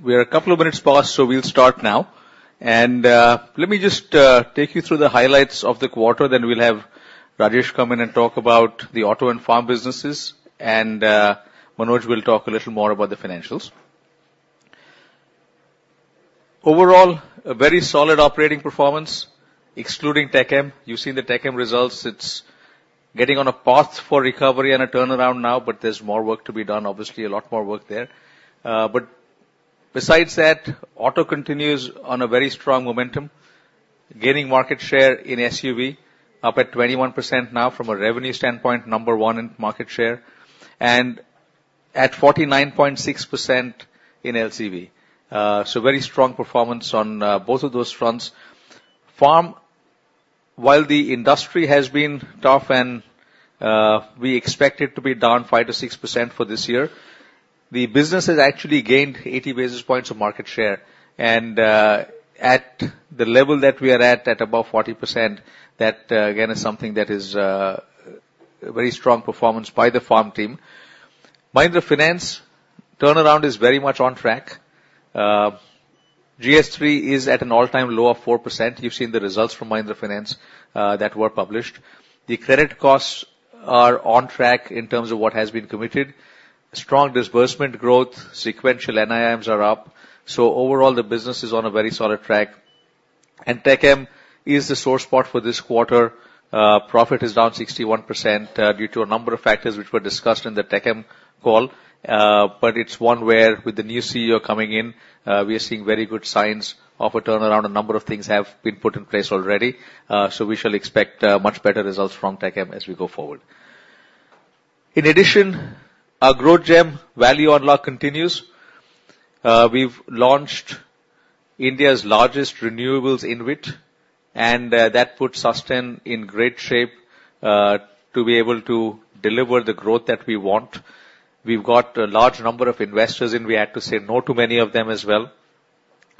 We are a couple of minutes past, so we'll start now. Let me just take you through the highlights of the quarter. Then we'll have Rajesh come in and talk about the auto and farm businesses, and Manoj will talk a little more about the financials. Overall, a very solid operating performance, excluding TechM. You've seen the TechM results. It's getting on a path for recovery and a turnaround now, but there's more work to be done, obviously a lot more work there. But besides that, auto continues on a very strong momentum, gaining market share in SUV, up at 21% now from a revenue standpoint, number one in market share, and at 49.6% in LCV. So very strong performance on both of those fronts. Farm, while the industry has been tough and we expect it to be down 5%-6% for this year, the business has actually gained 80 basis points of market share. And at the level that we are at, above 40%, that again is something that is very strong performance by the farm team. Mahindra Finance turnaround is very much on track. GS3 is at an all-time low of 4%. You've seen the results from Mahindra Finance that were published. The credit costs are on track in terms of what has been committed. Strong disbursement growth. Sequential NIMs are up. So overall, the business is on a very solid track. And TechM is the sore spot for this quarter. Profit is down 61%, due to a number of factors which were discussed in the TechM call. but it's one where, with the new CEO coming in, we are seeing very good signs of a turnaround. A number of things have been put in place already, so we shall expect much better results from Tech Mahindra as we go forward. In addition, our growth engine, Value Unlock, continues. We've launched India's largest renewables InvIT, and that puts Susten in great shape, to be able to deliver the growth that we want. We've got a large number of investors, and we had to say no to many of them as well.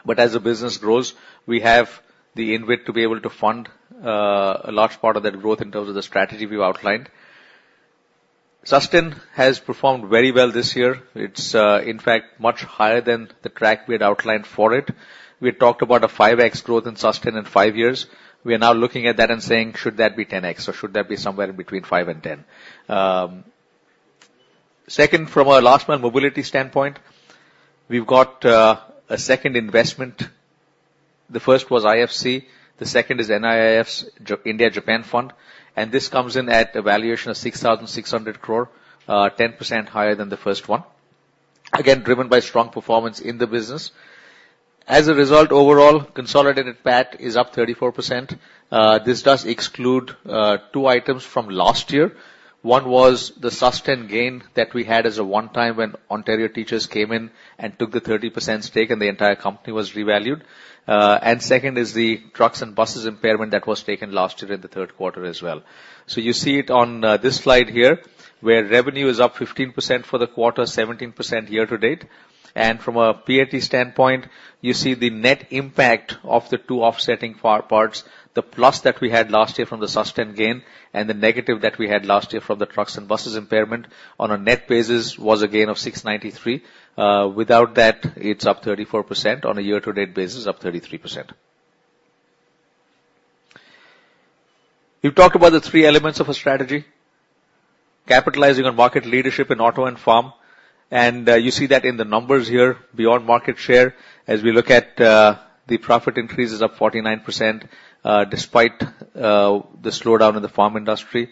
But as the business grows, we have the InvIT to be able to fund a large part of that growth in terms of the strategy we've outlined. Susten has performed very well this year. It's, in fact, much higher than the track we had outlined for it. We had talked about a 5x growth in Susten in five years. We are now looking at that and saying, should that be 10x, or should that be somewhere in between five and 10? Second, from a last-mile mobility standpoint, we've got a second investment. The first was IFC. The second is NIIF's India-Japan Fund. And this comes in at a valuation of 6,600 crore, 10% higher than the first one, again, driven by strong performance in the business. As a result, overall, consolidated PAT is up 34%. This does exclude two items from last year. One was the Susten gain that we had as a one-time when Ontario Teachers' came in and took the 30% stake, and the entire company was revalued. And second is the trucks and buses impairment that was taken last year in the third quarter as well. You see it on this slide here, where revenue is up 15% for the quarter, 17% year-to-date. From a PAT standpoint, you see the net impact of the two offsetting parts, the plus that we had last year from the Susten gain and the negative that we had last year from the trucks and buses impairment on a net basis was a gain of 693. Without that, it's up 34%. On a year-to-date basis, up 33%. We've talked about the three elements of a strategy: capitalizing on market leadership in auto and farm. You see that in the numbers here, beyond market share, as we look at the profit increase is up 49%, despite the slowdown in the farm industry.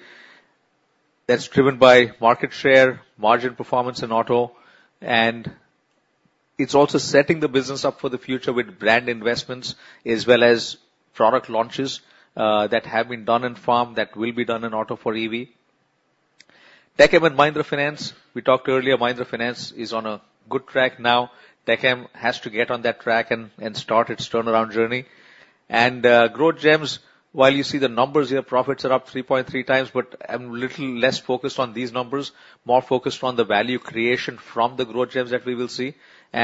That's driven by market share, margin performance in auto. It's also setting the business up for the future with brand investments as well as product launches that have been done in farm that will be done in auto for EV. Tech Mahindra and Mahindra Finance, we talked earlier, Mahindra Finance is on a good track now. Tech Mahindra has to get on that track and start its turnaround journey. Growth gems, while you see the numbers here, profits are up 3.3x, but I'm a little less focused on these numbers, more focused on the value creation from the growth gems that we will see. We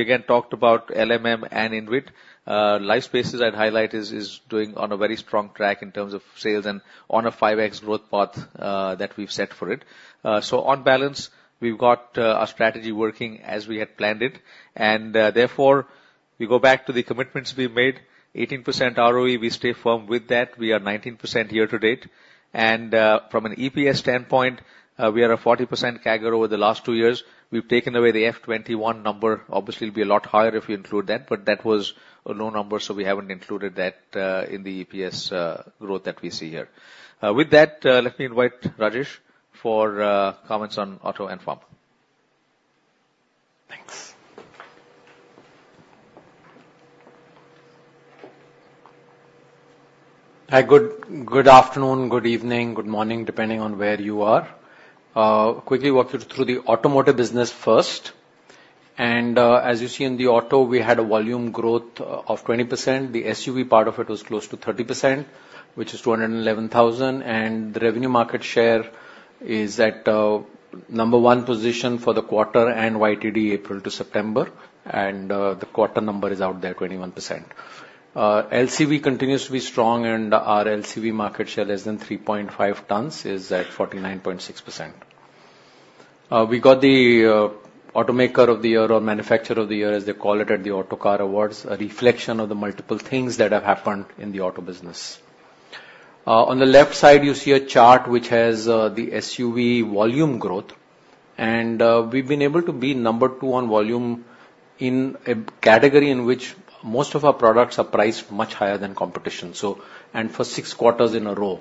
again talked about LMM and InvIT. Lifespaces, I'd highlight, is doing on a very strong track in terms of sales and on a 5x growth path that we've set for it. So on balance, we've got our strategy working as we had planned it. Therefore, we go back to the commitments we made, 18% ROE. We stay firm with that. We are 19% year to date. And, from an EPS standpoint, we are a 40% CAGR over the last two years. We've taken away the F21 number. Obviously, it'll be a lot higher if you include that, but that was a low number, so we haven't included that in the EPS growth that we see here. With that, let me invite Rajesh for comments on auto and farm. Thanks. Hi. Good, good afternoon, good evening, good morning, depending on where you are. Quickly walk you through the automotive business first. As you see in the auto, we had a volume growth of 20%. The SUV part of it was close to 30%, which is 211,000. The revenue market share is at number one position for the quarter and YTD April to September. The quarter number is out there, 21%. LCV continues to be strong, and our LCV market share less than 3.5 tons is at 49.6%. We got the automaker of the year or manufacturer of the year, as they call it at the Autocar Awards, a reflection of the multiple things that have happened in the auto business. On the left side, you see a chart which has the SUV volume growth. We've been able to be number two on volume in a category in which most of our products are priced much higher than competition, so and for six quarters in a row.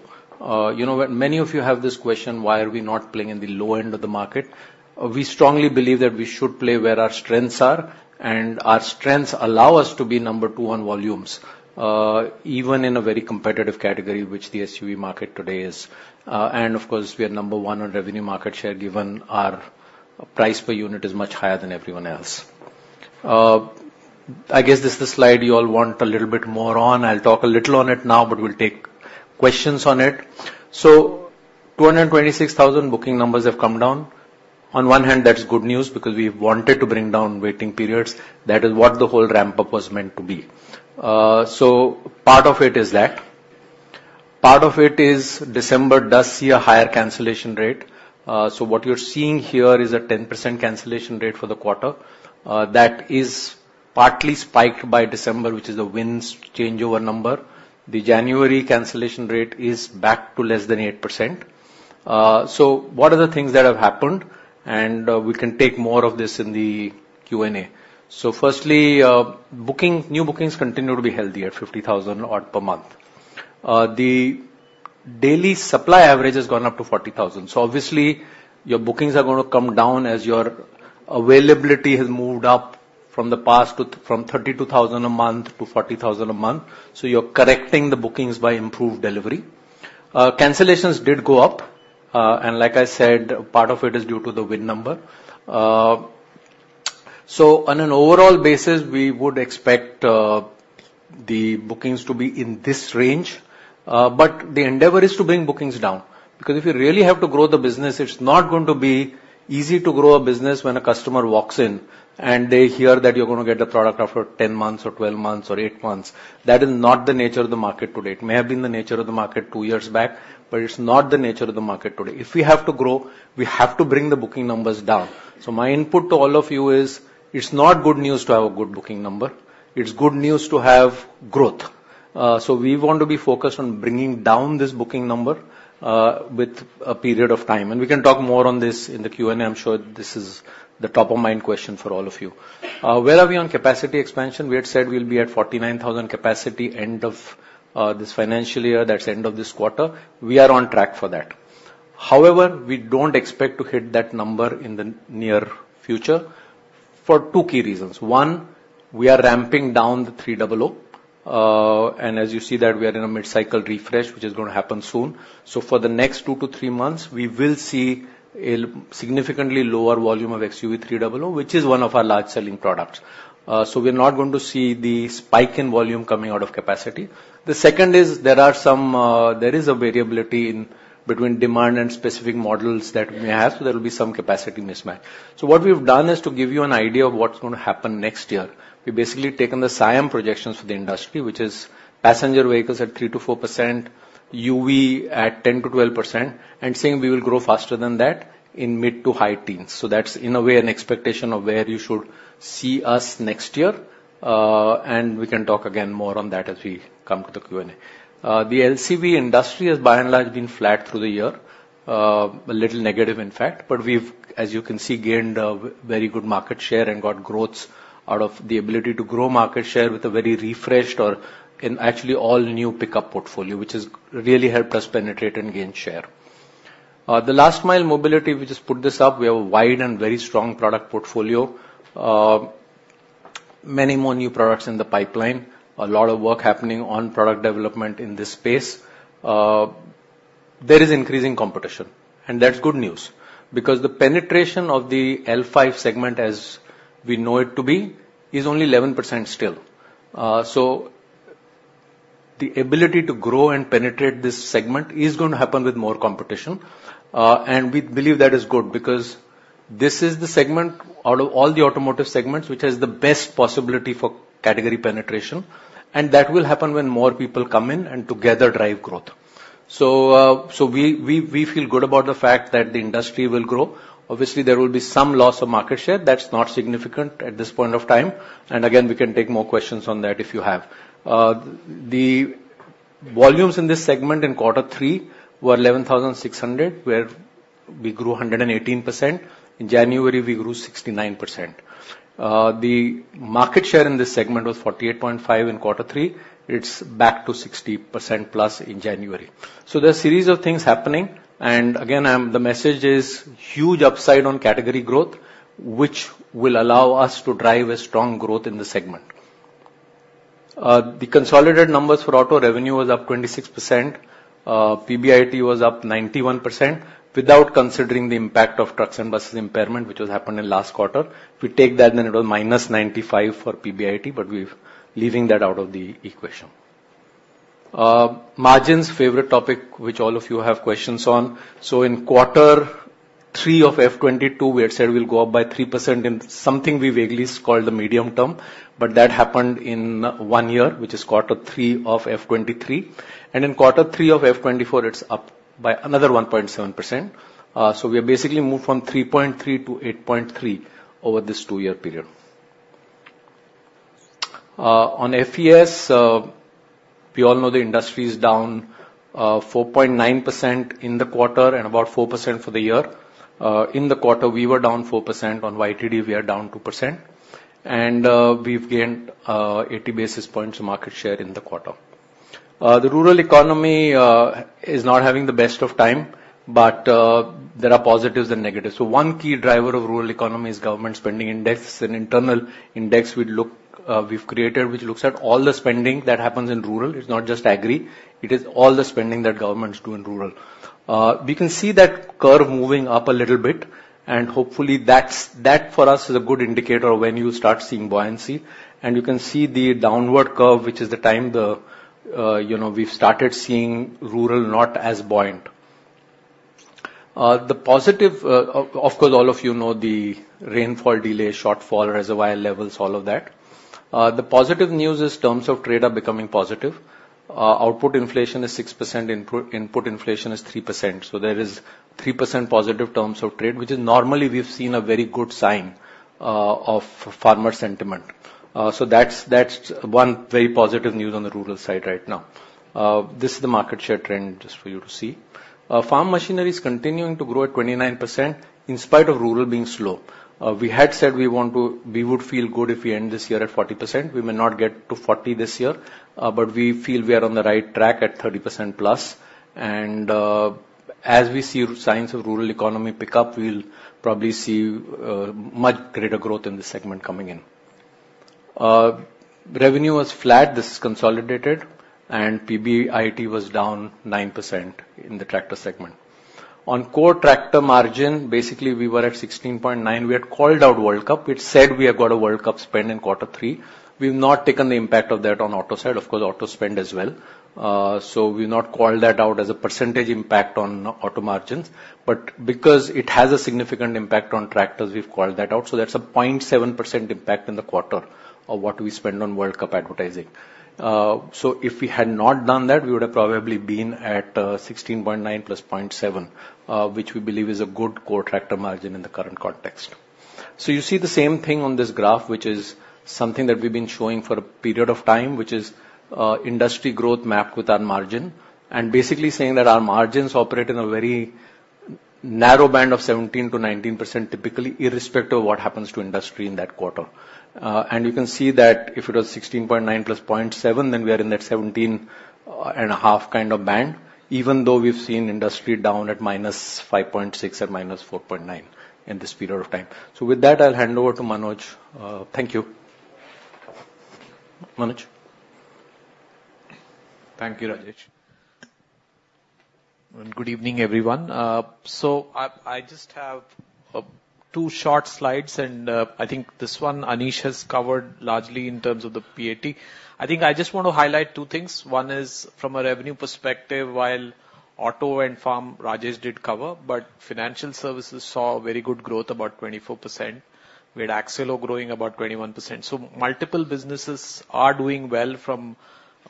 You know, many of you have this question, why are we not playing in the low end of the market? We strongly believe that we should play where our strengths are, and our strengths allow us to be number two on volumes, even in a very competitive category, which the SUV market today is. Of course, we are number one on revenue market share given our price per unit is much higher than everyone else. I guess this is the slide you all want a little bit more on. I'll talk a little on it now, but we'll take questions on it. 226,000 booking numbers have come down. On one hand, that's good news because we've wanted to bring down waiting periods. That is what the whole ramp-up was meant to be. So part of it is that. Part of it is December does see a higher cancellation rate. So what you're seeing here is a 10% cancellation rate for the quarter. That is partly spiked by December, which is the VINs change over number. The January cancellation rate is back to less than 8%. So what are the things that have happened? And, we can take more of this in the Q&A. So firstly, booking new bookings continue to be healthy at 50,000 odd per month. The daily supply average has gone up to 40,000. So obviously, your bookings are going to come down as your availability has moved up from the past to from 32,000 a month to 40,000 a month. So you're correcting the bookings by improved delivery. Cancellations did go up. And like I said, part of it is due to the wind number. So on an overall basis, we would expect the bookings to be in this range. But the endeavor is to bring bookings down because if you really have to grow the business, it's not going to be easy to grow a business when a customer walks in and they hear that you're going to get a product after 10 months or 12 months or 8 months. That is not the nature of the market today. It may have been the nature of the market two years back, but it's not the nature of the market today. If we have to grow, we have to bring the booking numbers down. So my input to all of you is, it's not good news to have a good booking number. It's good news to have growth. So we want to be focused on bringing down this booking number, with a period of time. And we can talk more on this in the Q&A. I'm sure this is the top-of-mind question for all of you. Where are we on capacity expansion? We had said we'll be at 49,000 capacity end of this financial year. That's end of this quarter. We are on track for that. However, we don't expect to hit that number in the near future for two key reasons. One, we are ramping down the 300. And as you see that, we are in a mid-cycle refresh, which is going to happen soon. So for the next two, three months, we will see a significantly lower volume of XUV300, which is one of our large-selling products. So we are not going to see the spike in volume coming out of capacity. The second is there are some, there is a variability in between demand and specific models that we have, so there will be some capacity mismatch. So what we've done is to give you an idea of what's going to happen next year. We've basically taken the SIAM projections for the industry, which is passenger vehicles at 3%-4%, UV at 10%-12%, and saying we will grow faster than that in mid to high teens. So that's, in a way, an expectation of where you should see us next year. And we can talk again more on that as we come to the Q&A. The LCV industry has, by and large, been flat through the year, a little negative, in fact. But we've, as you can see, gained a very good market share and got growths out of the ability to grow market share with a very refreshed or, in actually, all-new pickup portfolio, which has really helped us penetrate and gain share. The last-mile mobility, we just put this up. We have a wide and very strong product portfolio. Many, more new products in the pipeline. A lot of work happening on product development in this space. There is increasing competition. And that's good news because the penetration of the L5 segment, as we know it to be, is only 11% still. So the ability to grow and penetrate this segment is going to happen with more competition. We believe that is good because this is the segment out of all the automotive segments which has the best possibility for category penetration. And that will happen when more people come in and together drive growth. So, so we, we, we feel good about the fact that the industry will grow. Obviously, there will be some loss of market share. That's not significant at this point of time. And again, we can take more questions on that if you have. The volumes in this segment in quarter three were 11,600, where we grew 118%. In January, we grew 69%. The market share in this segment was 48.5% in quarter three. It's back to 60%+ in January. So there's a series of things happening. And again, the message is huge upside on category growth, which will allow us to drive a strong growth in the segment. The consolidated numbers for auto revenue was up 26%. PBIT was up 91% without considering the impact of trucks and buses impairment, which has happened in last quarter. If we take that, then it was minus 95% for PBIT, but we're leaving that out of the equation. Margins, favorite topic which all of you have questions on. So in quarter three of F 2022, we had said we'll go up by 3% in something we vaguely called the medium term. But that happened in one year, which is quarter three of F 2023. And in quarter three of F 2024, it's up by another 1.7%. So we have basically moved from 3.3% to 8.3% over this two-year period. On FES, we all know the industry is down, 4.9% in the quarter and about 4% for the year. In the quarter, we were down 4%. On YTD, we are down 2%. We've gained 80 basis points of market share in the quarter. The rural economy is not having the best of time, but there are positives and negatives. So one key driver of rural economy is government spending index. An internal index we'd look, we've created, which looks at all the spending that happens in rural. It's not just agri. It is all the spending that governments do in rural. We can see that curve moving up a little bit. And hopefully, that's that for us is a good indicator of when you start seeing buoyancy. And you can see the downward curve, which is the time the, you know, we've started seeing rural not as buoyant. The positive, of course, all of you know the rainfall delay, shortfall, reservoir levels, all of that. The positive news is terms of trade are becoming positive. Output inflation is 6%. Input inflation is 3%. So there is 3% positive terms of trade, which is normally we've seen a very good sign of farmer sentiment. So that's, that's one very positive news on the rural side right now. This is the market share trend just for you to see. Farm machinery is continuing to grow at 29% in spite of rural being slow. We had said we want to we would feel good if we end this year at 40%. We may not get to 40% this year. But we feel we are on the right track at 30%+. And, as we see signs of rural economy pick up, we'll probably see much greater growth in this segment coming in. Revenue was flat. This is consolidated. And PBIT was down 9% in the tractor segment. On core tractor margin, basically, we were at 16.9%. We had called out World Cup. We had said we had got a World Cup spend in quarter three. We've not taken the impact of that on auto side. Of course, auto spend as well. So we've not called that out as a percentage impact on auto margins. But because it has a significant impact on tractors, we've called that out. So that's a 0.7% impact in the quarter of what we spend on World Cup advertising. So if we had not done that, we would have probably been at 16.9% + 0.7%, which we believe is a good core tractor margin in the current context. So you see the same thing on this graph, which is something that we've been showing for a period of time, which is industry growth mapped with our margin, and basically saying that our margins operate in a very narrow band of 17%-19% typically, irrespective of what happens to industry in that quarter. And you can see that if it was 16.9% + 0.7%, then we are in that 17.5% kind of band, even though we've seen industry down at -5.6% at -4.9% in this period of time. So with that, I'll hand over to Manoj. Thank you. Manoj. Thank you, Rajesh. And good evening, everyone. So I just have two short slides. And I think this one Anish has covered largely in terms of the PAT. I think I just want to highlight two things. One is from a revenue perspective, while auto and farm, Rajesh did cover, but financial services saw very good growth, about 24%. We had Accelo growing about 21%. So multiple businesses are doing well from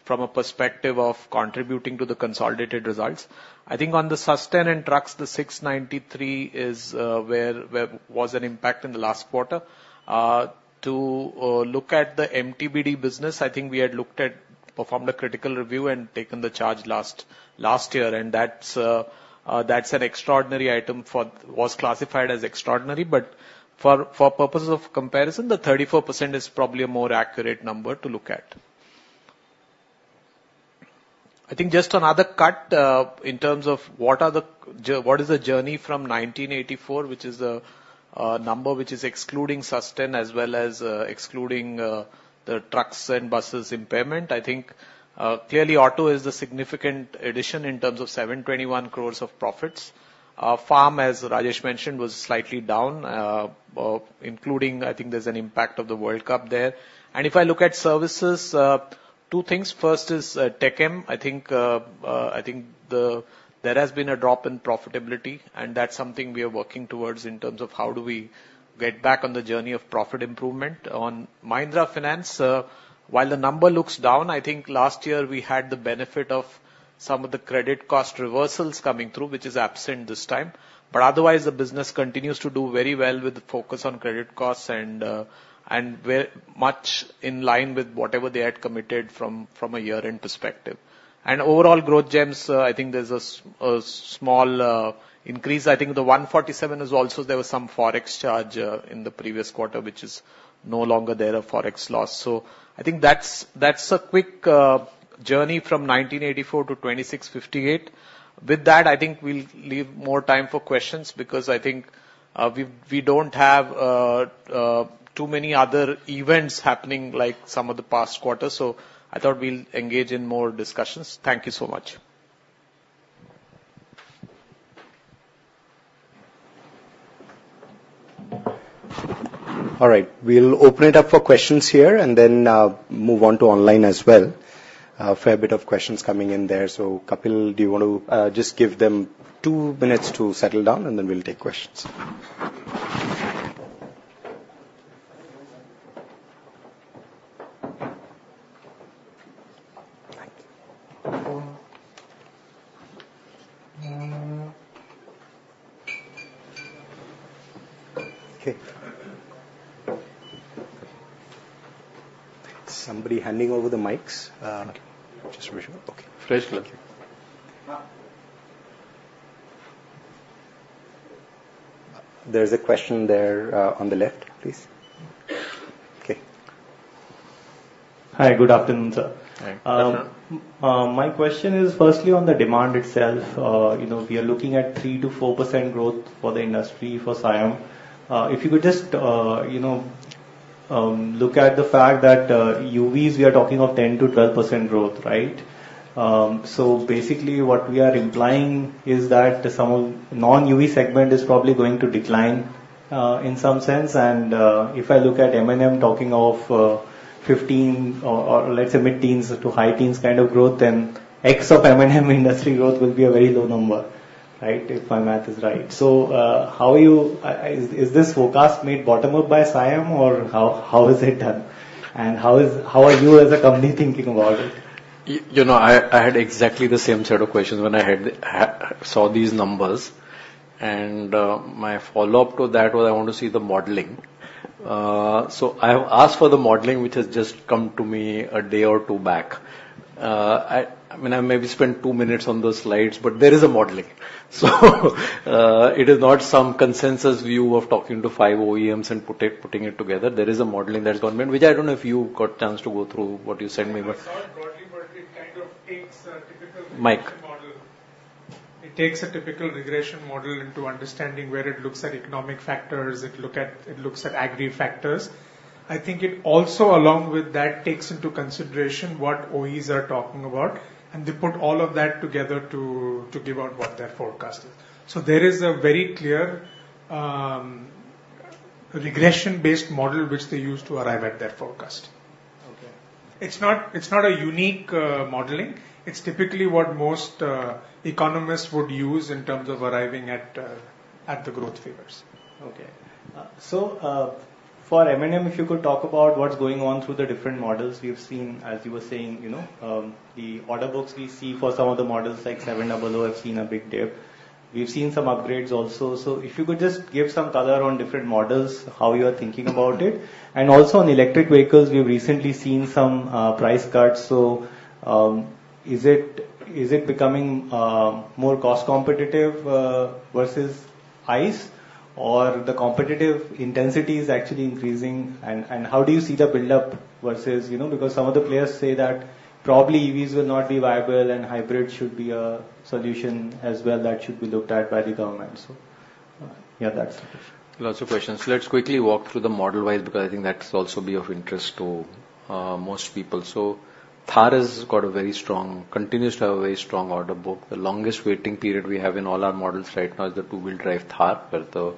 a perspective of contributing to the consolidated results. I think on the Susten and trucks, the 693 is where there was an impact in the last quarter. To look at the MTBD business, I think we had performed a critical review and taken the charge last year. And that's an extraordinary item which was classified as extraordinary. But for purposes of comparison, the 34% is probably a more accurate number to look at. I think just another cut, in terms of what is the journey from 1984, which is the number which is excluding Susten as well as excluding the trucks and buses impairment. I think, clearly, auto is the significant addition in terms of 721 crore of profits. Farm, as Rajesh mentioned, was slightly down, including, I think there's an impact of the World Cup there. And if I look at services, two things. First is, Tech Mahindra. I think there has been a drop in profitability. And that's something we are working towards in terms of how do we get back on the journey of profit improvement. On Mahindra Finance, while the number looks down, I think last year, we had the benefit of some of the credit cost reversals coming through, which is absent this time. But otherwise, the business continues to do very well with the focus on credit costs and very much in line with whatever they had committed from a year-end perspective. And overall growth gems, I think there's a small increase. I think the 147 is also there was some forex charge in the previous quarter, which is no longer there, a forex loss. So I think that's a quick journey from 1984 to 2658. With that, I think we'll leave more time for questions because I think we don't have too many other events happening like some of the past quarters. So I thought we'll engage in more discussions. Thank you so much. All right. We'll open it up for questions here and then move on to online as well. A fair bit of questions coming in there. So Kapil, do you want to just give them two minutes to settle down, and then we'll take questions. Thank you. Okay. Somebody handing over the mics. Just to be sure. Okay. Fresh clothing. There's a question there, on the left, please. Okay. Hi. Good afternoon, sir. Hi. My question is firstly on the demand itself. You know, we are looking at 3%-4% growth for the industry for SIAM. If you could just, you know, look at the fact that, UVs, we are talking of 10%-12% growth, right? So basically, what we are implying is that some of non-UV segment is probably going to decline, in some sense. If I look at M&M talking of 15 or, or let's say mid-teens to high-teens kind of growth, then X of M&M industry growth will be a very low number, right, if my math is right. So, how are you? I, is this forecast made bottom-up by SIAM, or how, how is it done? And how is how are you as a company thinking about it? You know, I had exactly the same set of questions when I first saw these numbers. My follow-up to that was I want to see the modeling. So I have asked for the modeling, which has just come to me a day or two back. I mean, I maybe spent two minutes on those slides, but there is a modeling. So, it is not some consensus view of talking to five OEMs and putting it together. There is a modeling that's been made, which I don't know if you got chance to go through what you sent me, but. I saw it broadly, but it kind of takes a typical regression model into understanding where it looks at economic factors. It looks at agri factors. I think it also, along with that, takes into consideration what OEs are talking about. And they put all of that together to give out what their forecast is. So there is a very clear, regression-based model which they use to arrive at their forecast. Okay. It's not a unique modeling. It's typically what most economists would use in terms of arriving at the growth figures. Okay. So, for M&M, if you could talk about what's going on through the different models. We've seen, as you were saying, you know, the order books we see for some of the models, like 700, have seen a big dip. We've seen some upgrades also. So if you could just give some color on different models, how you are thinking about it. And also on electric vehicles, we've recently seen some price cuts. So, is it becoming more cost competitive versus ICE? Or the competitive intensity is actually increasing? And how do you see the buildup versus, you know, because some of the players say that probably EVs will not be viable, and hybrid should be a solution as well that should be looked at by the government? So, yeah, that's the question. Lots of questions. Let's quickly walk through them model-wise because I think that's also of interest to most people. So Thar has got a very strong continues to have a very strong order book. The longest waiting period we have in all our models right now is the two-wheel-drive Thar, where the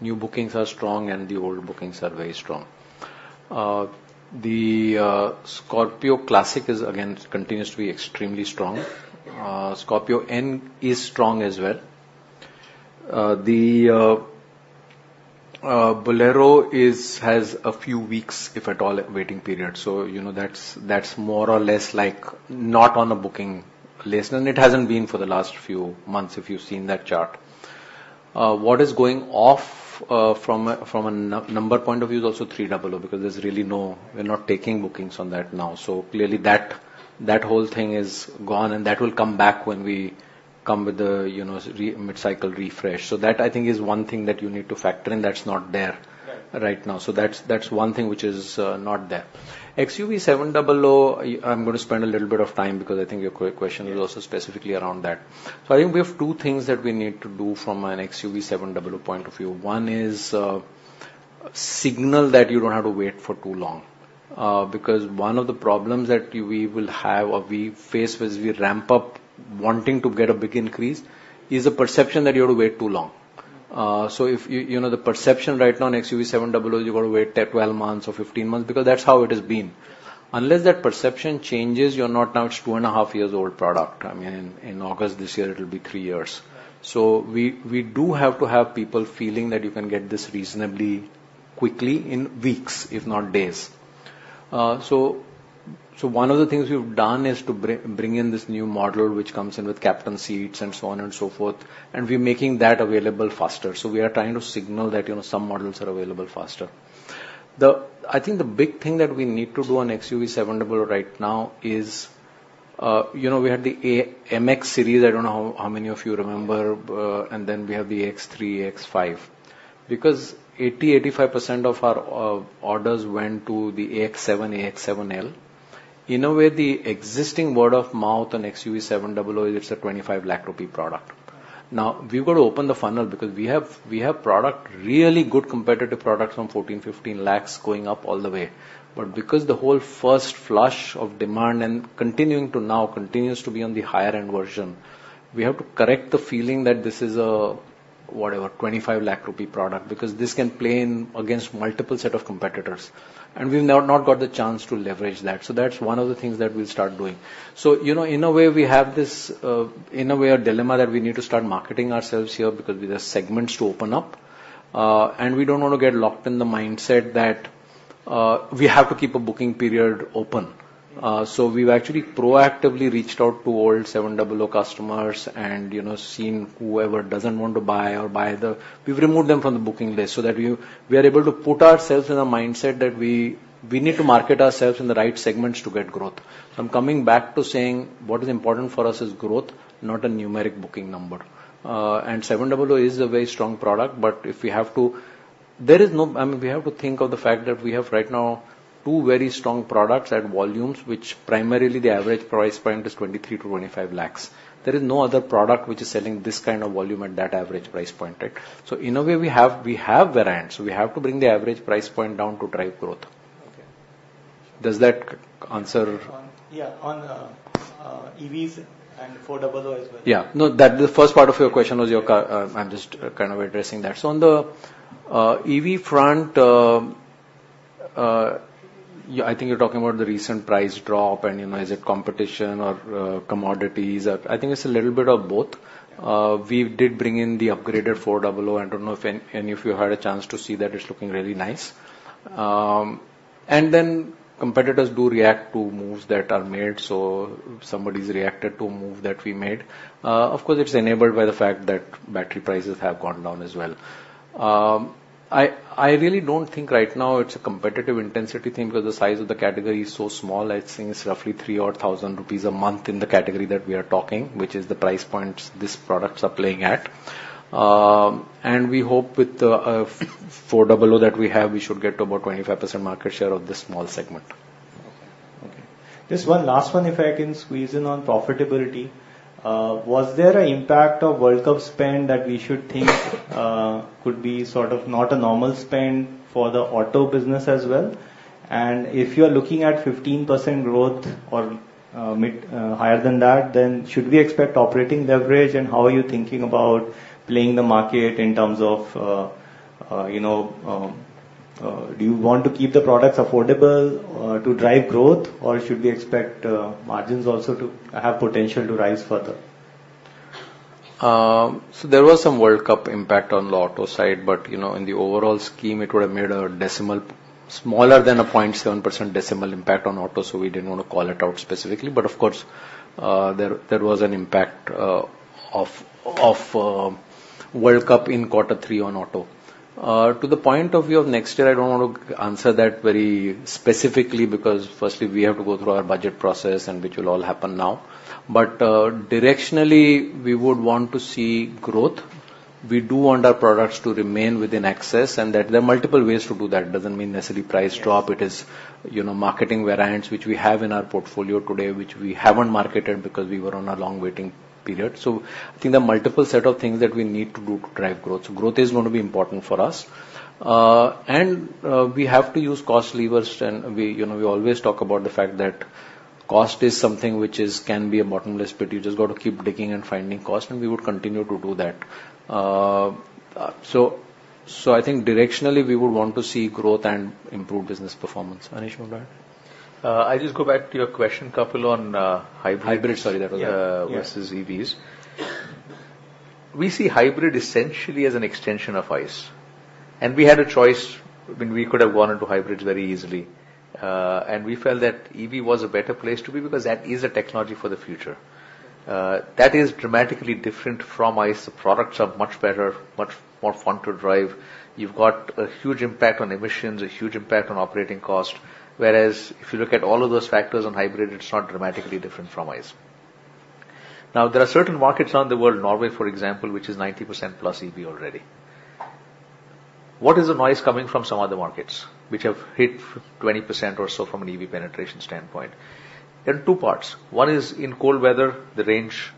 new bookings are strong and the old bookings are very strong. The Scorpio Classic is, again, continues to be extremely strong. Scorpio N is strong as well. The Bolero is, has a few weeks, if at all, waiting period. So, you know, that's, that's more or less like not on a booking list. And it hasn't been for the last few months if you've seen that chart. What is going off from a number point of view is also 300 because there's really no, we're not taking bookings on that now. So clearly, that, that whole thing is gone. And that will come back when we come with the, you know, mid-cycle refresh. So that, I think, is one thing that you need to factor in that's not there. Right. Right now. So that's, that's one thing which is not there. XUV700, I'm going to spend a little bit of time because I think your question is also specifically around that. So I think we have two things that we need to do from an XUV700 point of view. One is, signal that you don't have to wait for too long, because one of the problems that we will have or we face as we ramp up wanting to get a big increase is the perception that you have to wait too long. So if you, you know, the perception right now on XUV700, you got to wait 10, 12 months or 15 months because that's how it has been. Unless that perception changes, you're not. Now it's two point five years old product. I mean, in August this year, it'll be three years. So we do have to have people feeling that you can get this reasonably quickly in weeks, if not days. One of the things we've done is to bring in this new model which comes in with captain seats and so on and so forth. And we're making that available faster. So we are trying to signal that, you know, some models are available faster. I think the big thing that we need to do on XUV700 right now is, you know, we had the MX series. I don't know how many of you remember. And then we have the AX3, AX5. Because 80%-85% of our orders went to the AX7, AX7L. In a way, the existing word of mouth on XUV700 is it's a 25 lakh rupee product. Now, we've got to open the funnel because we have product really good competitive products from 14-15 lakh going up all the way. But because the whole first flush of demand and continuing to now continues to be on the higher-end version, we have to correct the feeling that this is a, whatever, 25 lakh rupee product because this can play in against multiple set of competitors. And we've now not got the chance to leverage that. So that's one of the things that we'll start doing. So, you know, in a way, we have this, in a way, a dilemma that we need to start marketing ourselves here because there's segments to open up, and we don't want to get locked in the mindset that, we have to keep a booking period open. So we've actually proactively reached out to old 700 customers and, you know, seen whoever doesn't want to buy or buy the we've removed them from the booking list so that we've we are able to put ourselves in a mindset that we, we need to market ourselves in the right segments to get growth. So I'm coming back to saying what is important for us is growth, not a numeric booking number. And 700 is a very strong product. But if we have to there is no I mean, we have to think of the fact that we have right now two very strong products at volumes which primarily the average price point is 23-25 lakhs. There is no other product which is selling this kind of volume at that average price point, right? So in a way, we have we have variants. So we have to bring the average price point down to drive growth. Okay. Does that answer? Oh yeah. On EVs and XUV400 as well. Yeah. No, that's the first part of your question was your CAGR. I'm just kind of addressing that. So on the EV front. I think you're talking about the recent price drop. And, you know, is it competition or commodities? I think it's a little bit of both. We did bring in the upgraded XUV400. I don't know if any of you had a chance to see that. It's looking really nice. And then competitors do react to moves that are made. So somebody's reacted to a move that we made. Of course, it's enabled by the fact that battery prices have gone down as well. I really don't think right now it's a competitive intensity thing because the size of the category is so small. I think it's roughly 3,000 rupees a month in the category that we are talking, which is the price points these products are playing at. And we hope with the 400 that we have, we should get to about 25% market share of the small segment. Okay. Okay. Just one last one, if I can squeeze in on profitability. Was there an impact of World Cup spend that we should think, could be sort of not a normal spend for the auto business as well? And if you are looking at 15% growth or mid higher than that, then should we expect operating leverage? And how are you thinking about playing the market in terms of, you know, do you want to keep the products affordable, to drive growth, or should we expect, margins also to have potential to rise further? So there was some World Cup impact on the auto side. But, you know, in the overall scheme, it would have made a decimal smaller than a 0.7% decimal impact on auto. So we didn't want to call it out specifically. But of course, there was an impact of World Cup in quarter three on auto. To the point of view of next year, I don't want to answer that very specifically because firstly, we have to go through our budget process, and which will all happen now. But, directionally, we would want to see growth. We do want our products to remain within access. And that there are multiple ways to do that. It doesn't mean necessarily price drop. It is, you know, marketing variants which we have in our portfolio today, which we haven't marketed because we were on a long waiting period. So I think there are multiple set of things that we need to do to drive growth. So growth is going to be important for us. And we have to use cost levers. And we, you know, we always talk about the fact that cost is something which can be a bottomless pit. You just got to keep digging and finding cost. And we would continue to do that. So I think directionally, we would want to see growth and improved business performance. Anish, you want to add? I just go back to your question couple on hybrid. Hybrid. Sorry. That was that versus EVs. We see hybrid essentially as an extension of ICE. We had a choice. I mean, we could have gone into hybrid very easily. We felt that EV was a better place to be because that is a technology for the future. That is dramatically different from ICE. The products are much better, much more fun to drive. You've got a huge impact on emissions, a huge impact on operating cost. Whereas if you look at all of those factors on hybrid, it's not dramatically different from ICE. Now, there are certain markets around the world, Norway, for example, which is 90%+ EV already. What is the noise coming from some other markets which have hit 20% or so from an EV penetration standpoint? In two parts. One is in cold weather, the range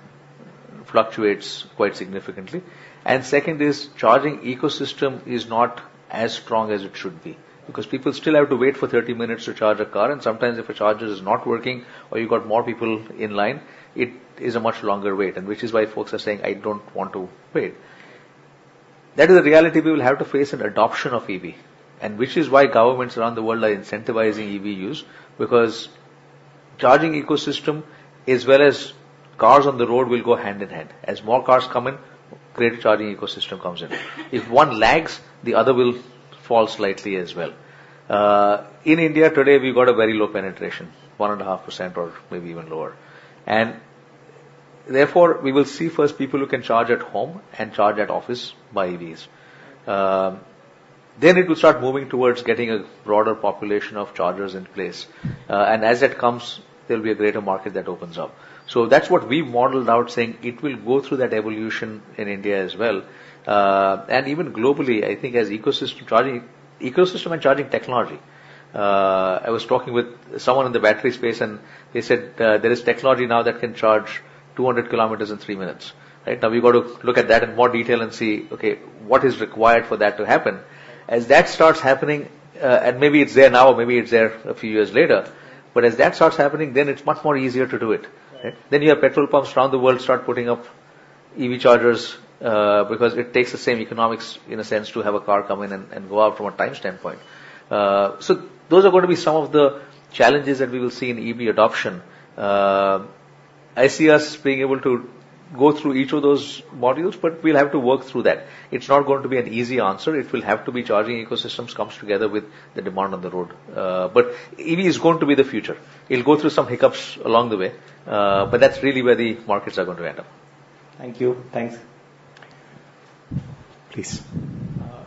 fluctuates quite significantly. And second is charging ecosystem is not as strong as it should be because people still have to wait for 30 minutes to charge a car. And sometimes, if a charger is not working or you got more people in line, it is a much longer wait, and which is why folks are saying, "I don't want to wait." That is a reality we will have to face in adoption of EV, and which is why governments around the world are incentivizing EV use because charging ecosystem as well as cars on the road will go hand in hand. As more cars come in, greater charging ecosystem comes in. If one lags, the other will fall slightly as well. In India today, we got a very low penetration, 1.5% or maybe even lower. Therefore, we will see first people who can charge at home and charge at office by EVs. Then it will start moving towards getting a broader population of chargers in place. And as that comes, there'll be a greater market that opens up. So that's what we modeled out, saying it will go through that evolution in India as well. And even globally, I think as ecosystem charging ecosystem and charging technology. I was talking with someone in the battery space, and they said, there is technology now that can charge 200 km in three minutes, right? Now, we got to look at that in more detail and see, okay, what is required for that to happen. As that starts happening, and maybe it's there now or maybe it's there a few years later, but as that starts happening, then it's much more easier to do it, right? Then you have petrol pumps around the world start putting up EV chargers, because it takes the same economics, in a sense, to have a car come in and, and go out from a time standpoint. So those are going to be some of the challenges that we will see in EV adoption. I see us being able to go through each of those modules, but we'll have to work through that. It's not going to be an easy answer. It will have to be charging ecosystems comes together with the demand on the road. But EV is going to be the future. It'll go through some hiccups along the way. But that's really where the markets are going to end up. Thank you. Thanks. Please.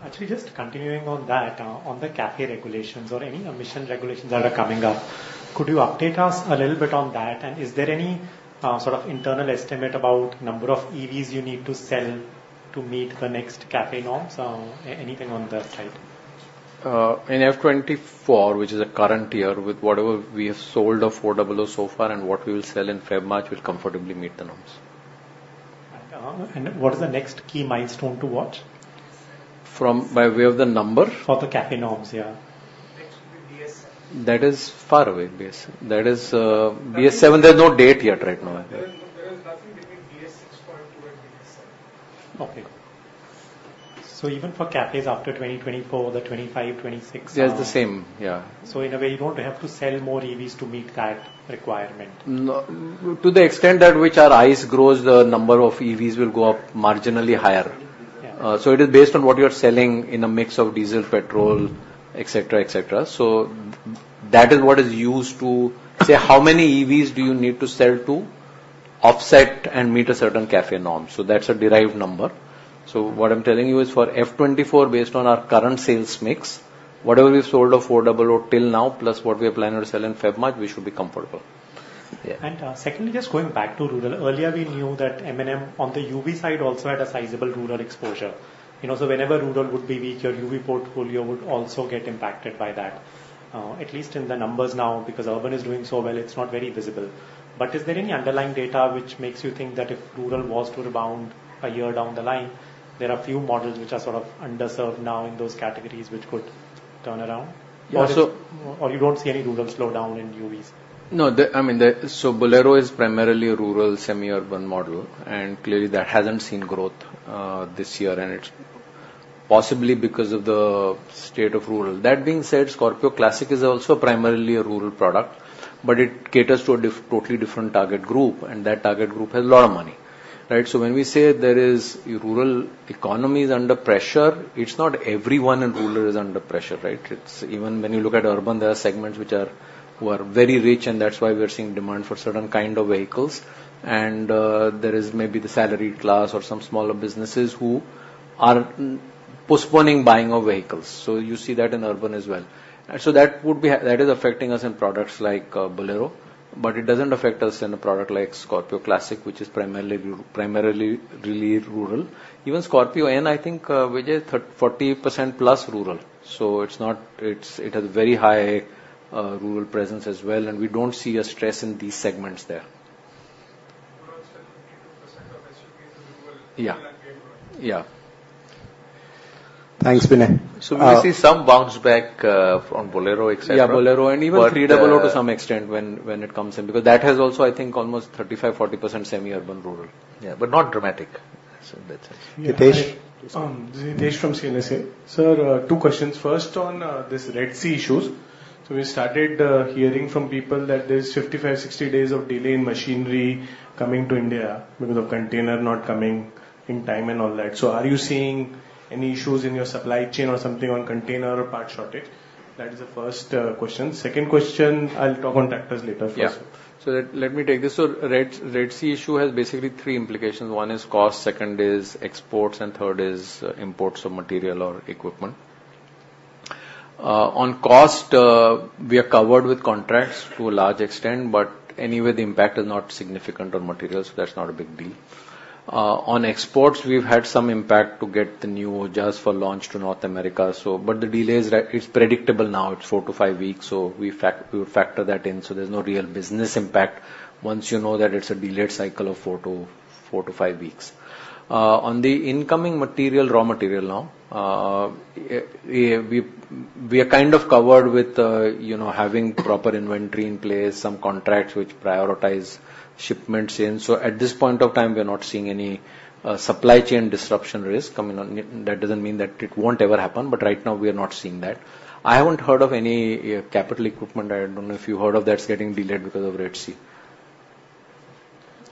Actually, just continuing on that, on the CAFÉ regulations or any emission regulations that are coming up, could you update us a little bit on that? And is there any, sort of internal estimate about number of EVs you need to sell to meet the next CAFÉ norms? Anything on that side? In FY24, which is the current year with whatever we have sold of 400 so far and what we will sell in February/March, we'll comfortably meet the norms. And what is the next key milestone to watch? From by way of the number? For the CAFÉ norms, yeah. Next will be BS7. That is far away, BS7. That is, BS7, there's no date yet right now. There is nothing between BS6.2 and BS7. Okay. So even for CAFÉs after 2024, 2025, 2026, yeah, it's the same. Yeah. So in a way, you don't have to sell more EVs to meet that requirement? No. To the extent that which our ICE grows, the number of EVs will go up marginally higher. So it is based on what you are selling in a mix of diesel, petrol, etc., etc. So that is what is used to say, how many EVs do you need to sell to offset and meet a certain CAFÉ norm? So that's a derived number. So what I'm telling you is for FY 2024, based on our current sales mix, whatever we've sold of 400 till now, plus what we are planning to sell in Feb/March, we should be comfortable. Yeah. And, secondly, just going back to rural, earlier, we knew that M&M on the UV side also had a sizable rural exposure. You know, so whenever rural would be weak, your UV portfolio would also get impacted by that, at least in the numbers now because urban is doing so well; it's not very visible. But is there any underlying data which makes you think that if rural was to rebound a year down the line, there are few models which are sort of underserved now in those categories which could turn around? Or you don't see any rural slowdown in UVs? No. I mean, so Bolero is primarily a rural semi-urban model. And clearly, that hasn't seen growth this year. And it's possibly because of the state of rural. That being said, Scorpio Classic is also primarily a rural product, but it caters to a totally different target group. And that target group has a lot of money, right? So when we say the rural economy is under pressure, it's not everyone in rural is under pressure, right? It's even when you look at urban, there are segments which are very rich. And that's why we are seeing demand for certain kind of vehicles. And there is maybe the salaried class or some smaller businesses who are postponing buying of vehicles. So you see that in urban as well. And so that is affecting us in products like Bolero. But it doesn't affect us in a product like Scorpio Classic, which is primarily really rural. Even Scorpio N, I think, which is 40%+ rural. So it's not. It has very high rural presence as well. And we don't see a stress in these segments there. 40%-52% of SUVs are rural and semi-rural. Yeah. Yeah. Thanks, Binay. So we see some bounce back from Bolero, etc. Yeah, Bolero. And even 300 to some extent when it comes in because that has also, I think, almost 35%-40% semi-urban rural. Yeah, but not dramatic, so that's it. Hitesh? This is Hitesh from CLSA. Sir, two questions. First, on this Red Sea issues. So we started hearing from people that there's 55-60 days of delay in machinery coming to India because of container not coming in time and all that. So are you seeing any issues in your supply chain or something on container or part shortage? That is the first question. Second question, I'll talk on tractors later first. Yeah. So let me take this. So Red Sea issue has basically three implications. One is cost. Second is exports. And third is imports of material or equipment. On cost, we are covered with contracts to a large extent. But anyway, the impact is not significant on materials. So that's not a big deal. On exports, we've had some impact to get the new OJAs for launch to North America. So but the delay is it's predictable now. It's four to five weeks. So we would factor that in. So there's no real business impact once you know that it's a delayed cycle of four to five weeks. On the incoming material, raw material now, we are kind of covered with, you know, having proper inventory in place, some contracts which prioritize shipments in. So at this point of time, we are not seeing any, supply chain disruption risk. I mean, that doesn't mean that it won't ever happen. But right now, we are not seeing that. I haven't heard of any capital equipment. I don't know if you heard of that's getting delayed because of Red Sea.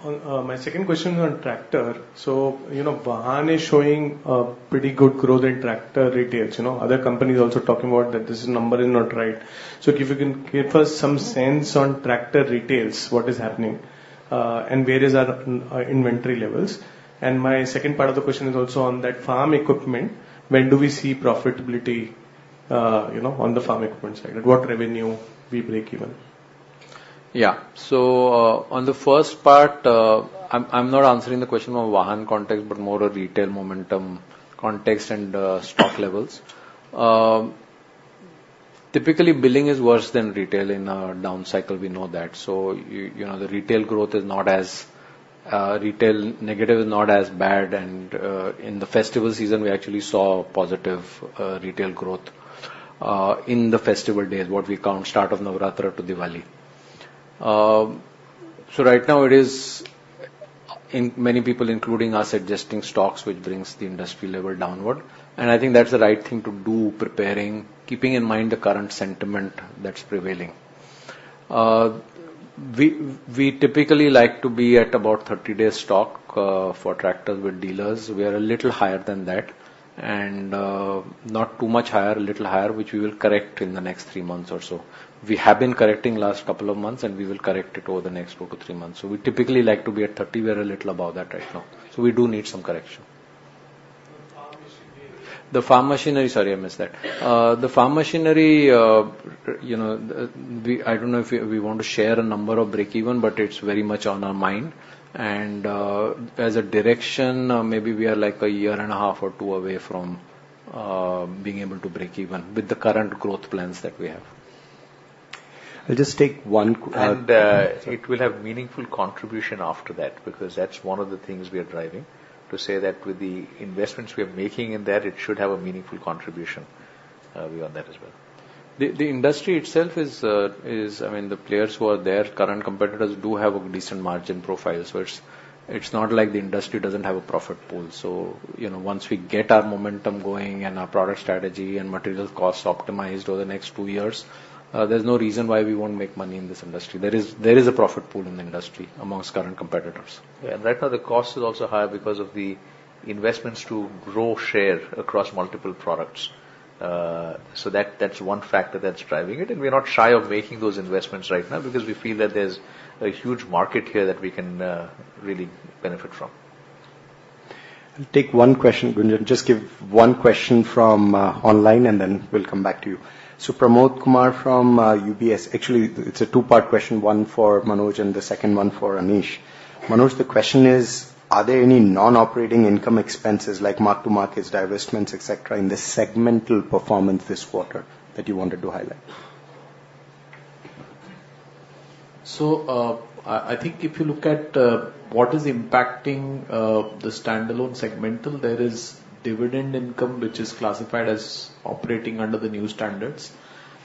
On my second question is on tractor. So, you know, Vahan is showing a pretty good growth in tractor retails. You know, other companies also talking about that this number is not right. So if you can give us some sense on tractor retails, what is happening, and where are our inventory levels? And my second part of the question is also on that farm equipment. When do we see profitability, you know, on the farm equipment side? At what revenue we break even? Yeah. So, on the first part, I'm not answering the question from a Vahan context but more a retail momentum context and stock levels. Typically, billing is worse than retail in a down cycle. We know that. So, you know, the retail growth is not as bad. Retail negative is not as bad. And, in the festival season, we actually saw positive retail growth in the festival days, what we count start of Navratri to Diwali. So right now, it is many people, including us, adjusting stocks, which brings the industry level downward. And I think that's the right thing to do, preparing, keeping in mind the current sentiment that's prevailing. We, we typically like to be at about 30-day stock for tractors with dealers. We are a little higher than that and, not too much higher, a little higher, which we will correct in the next three months or so. We have been correcting last couple of months, and we will correct it over the next two to five months. So we typically like to be at 30. We are a little above that right now. So we do need some correction. The farm machinery? The farm machinery—sorry, I missed that. The farm machinery, you know, we—I don't know if we want to share a number of break even, but it's very much on our mind. And, as a direction, maybe we are like a year and a half or two away from being able to break even with the current growth plans that we have. I'll just take one. And, it will have meaningful contribution after that because that's one of the things we are driving, to say that with the investments we are making in that, it should have a meaningful contribution, beyond that as well. The industry itself is, I mean, the players who are there, current competitors, do have a decent margin profile. So it's not like the industry doesn't have a profit pool. So, you know, once we get our momentum going and our product strategy and material costs optimized over the next two years, there's no reason why we won't make money in this industry. There is a profit pool in the industry amongst current competitors. Yeah. And right now, the cost is also higher because of the investments to grow share across multiple products, so that's one factor that's driving it. And we are not shy of making those investments right now because we feel that there's a huge market here that we can really benefit from. I'll take one question, Gunjan. Just give one question from online, and then we'll come back to you. So Pramod Kumar from UBS—actually, it's a two-part question, one for Manoj and the second one for Anish. Manoj, the question is, are there any non-operating income expenses like mark-to-markets, divestments, etc., in the segmental performance this quarter that you wanted to highlight? So, I think if you look at what is impacting the standalone segmental, there is dividend income, which is classified as operating under the new standards.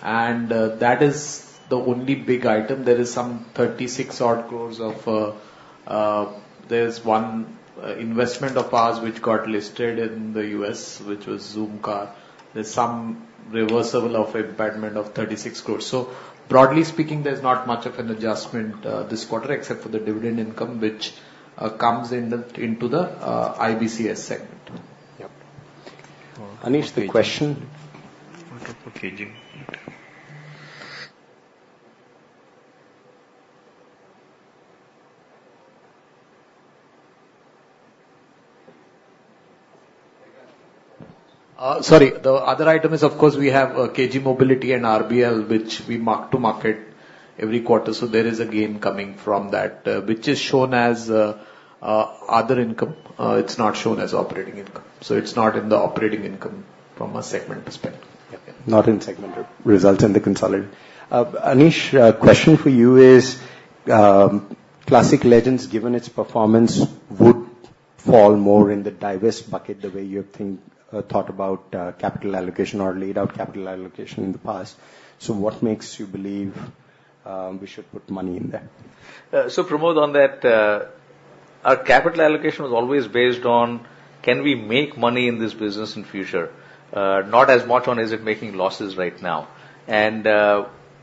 And that is the only big item. There is some 36 crore-odd of; there's one investment of ours which got listed in the US, which was ZoomCar. There's some reversal of impairment of 36 crore. So broadly speaking, there's not much of an adjustment this quarter except for the dividend income, which comes into the IBCS segment. Yep. Anish, the question. Sorry. The other item is, of course, we have KG Mobility and RBL, which we mark-to-market every quarter. So there is a gain coming from that, which is shown as other income. It's not shown as operating income. So it's not in the operating income from a segment perspective. Not in segment results in the consolidated. Anish, question for you is, Classic Legends, given its performance, would fall more in the divest bucket the way you have thought about capital allocation or laid out capital allocation in the past? So what makes you believe we should put money in there? So Pramod, on that, our capital allocation was always based on, can we make money in this business in future, not as much on, is it making losses right now? And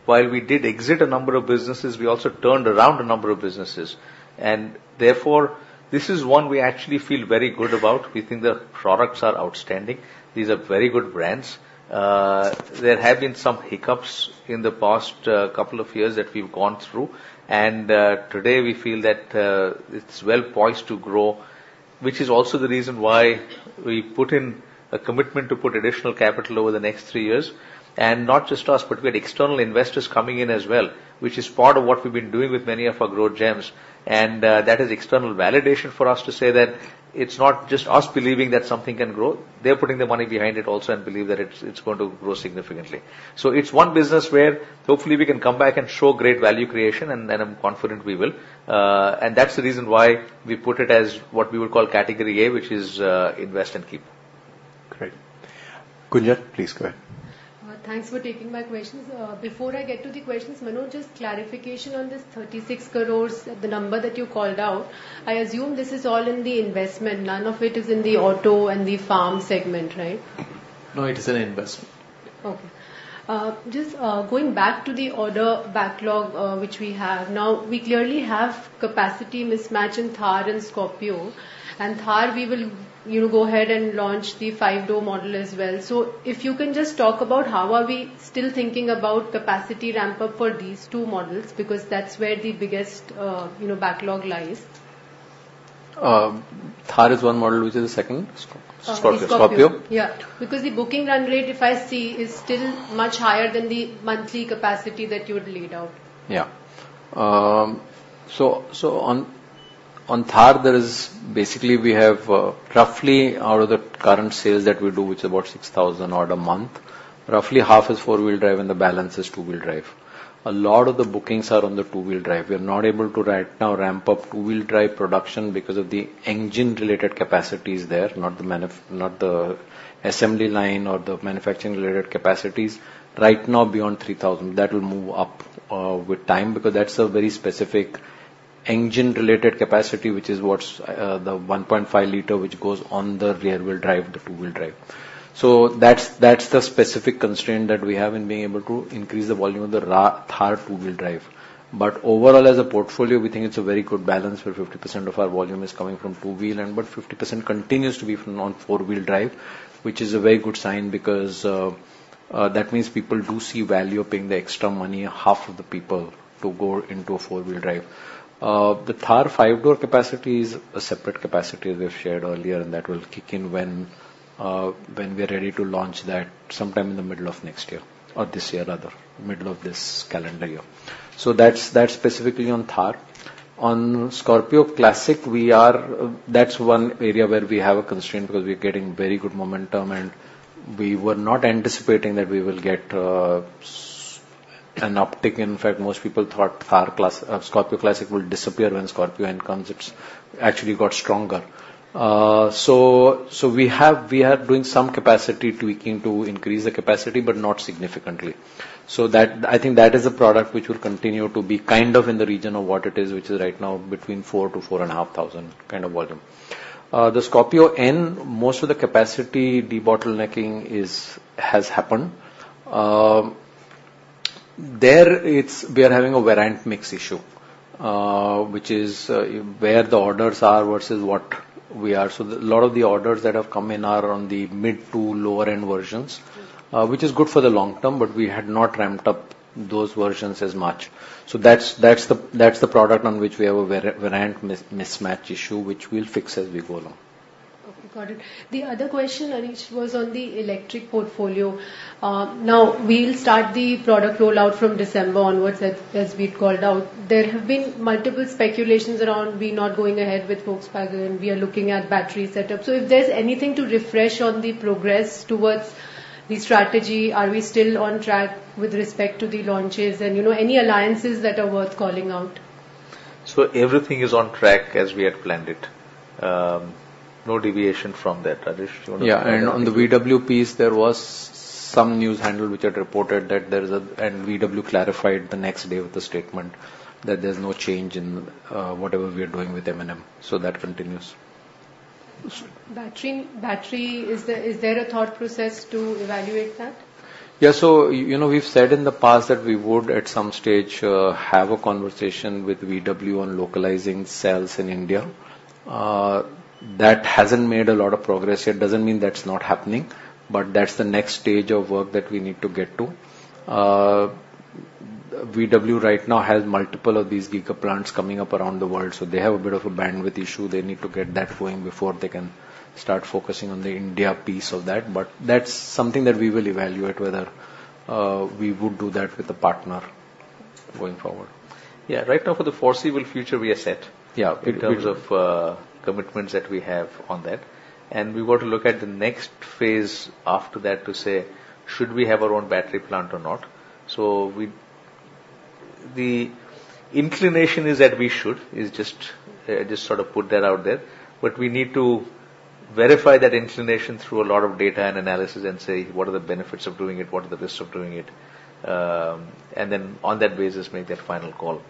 while we did exit a number of businesses, we also turned around a number of businesses. And therefore, this is one we actually feel very good about. We think the products are outstanding. These are very good brands. There have been some hiccups in the past couple of years that we've gone through. Today, we feel that it's well-poised to grow, which is also the reason why we put in a commitment to put additional capital over the next three years. Not just us, but we had external investors coming in as well, which is part of what we've been doing with many of our growth gems. That is external validation for us to say that it's not just us believing that something can grow. They're putting the money behind it also and believe that it's going to grow significantly. So it's one business where hopefully we can come back and show great value creation. Then I'm confident we will. That's the reason why we put it as what we would call category A, which is invest and keep. Great. Gunjan, please go ahead. Thanks for taking my questions. Before I get to the questions, Manoj, just clarification on this 36 crore, the number that you called out. I assume this is all in the investment. None of it is in the auto and the farm segment, right? No, it is an investment. Okay. Just, going back to the order backlog, which we have now, we clearly have capacity mismatch in Thar and Scorpio. And Thar, we will, you know, go ahead and launch the five-door model as well. So if you can just talk about how are we still thinking about capacity ramp-up for these two models because that's where the biggest, you know, backlog lies. Thar is one model, which is the second, Scorpio. Scorpio. Yeah. Because the booking run rate, if I see, is still much higher than the monthly capacity that you had laid out. Yeah. On Thar, there is basically we have, roughly out of the current sales that we do, which is about 6,000-odd a month, roughly half is four-wheel drive, and the balance is two-wheel drive. A lot of the bookings are on the two-wheel drive. We are not able to right now ramp up two-wheel drive production because of the engine-related capacities there, not the manufacturing, not the assembly line or the manufacturing-related capacities right now beyond 3,000. That will move up with time because that's a very specific engine-related capacity, which is the 1.5 liter, which goes on the rear-wheel drive, the two-wheel drive. So that's the specific constraint that we have in being able to increase the volume of the Thar two-wheel drive. Overall, as a portfolio, we think it's a very good balance where 50% of our volume is coming from two-wheel and but 50% continues to be from on four-wheel drive, which is a very good sign because that means people do see value of paying the extra money, half of the people, to go into a four-wheel drive. The Thar five-door capacity is a separate capacity as we have shared earlier. That will kick in when, when we are ready to launch that sometime in the middle of next year or this year rather, middle of this calendar year. So that's, that's specifically on Thar. On Scorpio Classic, we are that's one area where we have a constraint because we are getting very good momentum. We were not anticipating that we will get an uptick. In fact, most people thought Thar class Scorpio Classic will disappear when Scorpio N comes. It's actually got stronger. So we are doing some capacity tweaking to increase the capacity but not significantly. So that I think that is a product which will continue to be kind of in the region of what it is, which is right now between 4,000-4,500 kind of volume. The Scorpio N, most of the capacity debottlenecking has happened there. It's we are having a variant mix issue, which is where the orders are versus what we are. So a lot of the orders that have come in are on the mid- to lower-end versions, which is good for the long term. But we had not ramped up those versions as much. So that's the product on which we have a variant mix-mismatch issue, which we'll fix as we go along. Okay. Got it. The other question, Anish, was on the electric portfolio. Now, we'll start the product rollout from December onwards as we had called out. There have been multiple speculations around we're not going ahead with Volkswagen. We are looking at battery setup. So if there's anything to refresh on the progress towards the strategy, are we still on track with respect to the launches and, you know, any alliances that are worth calling out? So everything is on track as we had planned it. No deviation from that, Rajesh. You want to? Yeah. On the VW piece, there was some news handle which had reported that there is and VW clarified the next day with a statement that there's no change in whatever we are doing with M&M. So that continues. Battery battery, is there is there a thought process to evaluate that? Yeah. So, you know, we've said in the past that we would at some stage have a conversation with VW on localizing cells in India. That hasn't made a lot of progress yet. Doesn't mean that's not happening. But that's the next stage of work that we need to get to. VW right now has multiple of these gigaplants coming up around the world. So they have a bit of a bandwidth issue. They need to get that going before they can start focusing on the India piece of that. But that's something that we will evaluate whether we would do that with a partner going forward. Yeah. Right now, for the foreseeable future, we are set in terms of commitments that we have on that. And we've got to look at the next phase after that to say, should we have our own battery plant or not? So the inclination is that we should. It's just I just sort of put that out there. But we need to verify that inclination through a lot of data and analysis and say, what are the benefits of doing it? What are the risks of doing it? And then on that basis, make that final call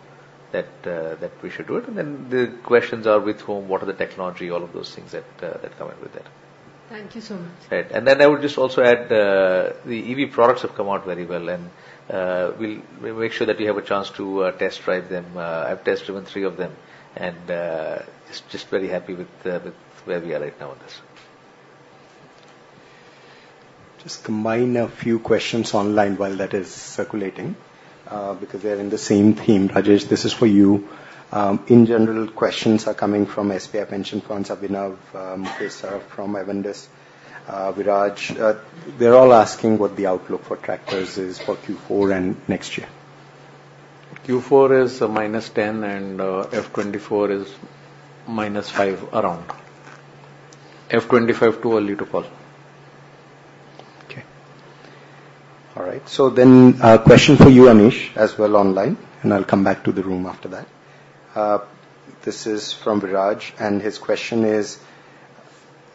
that we should do it. And then the questions are with whom, what are the technology, all of those things that come in with that. Thank you so much. Right. And then I would just also add, the EV products have come out very well. And we'll make sure that you have a chance to test drive them. I've test driven three of them. And just, just very happy with, with where we are right now on this. Just combine a few questions online while that is circulating, because they're in the same theme. Rajesh, this is for you. In general, questions are coming from SBI Pension Fund, Abhnav, Mukesh Saraf from Avendus, Viraj. They're all asking what the outlook for tractors is for Q4 and next year. Q4 is -10%. And FY 2024 is -5% around. FY 2025 too early to call. Okay. All right. So then, question for you, Anish, as well online. And I'll come back to the room after that. This is from Viraj. His question is,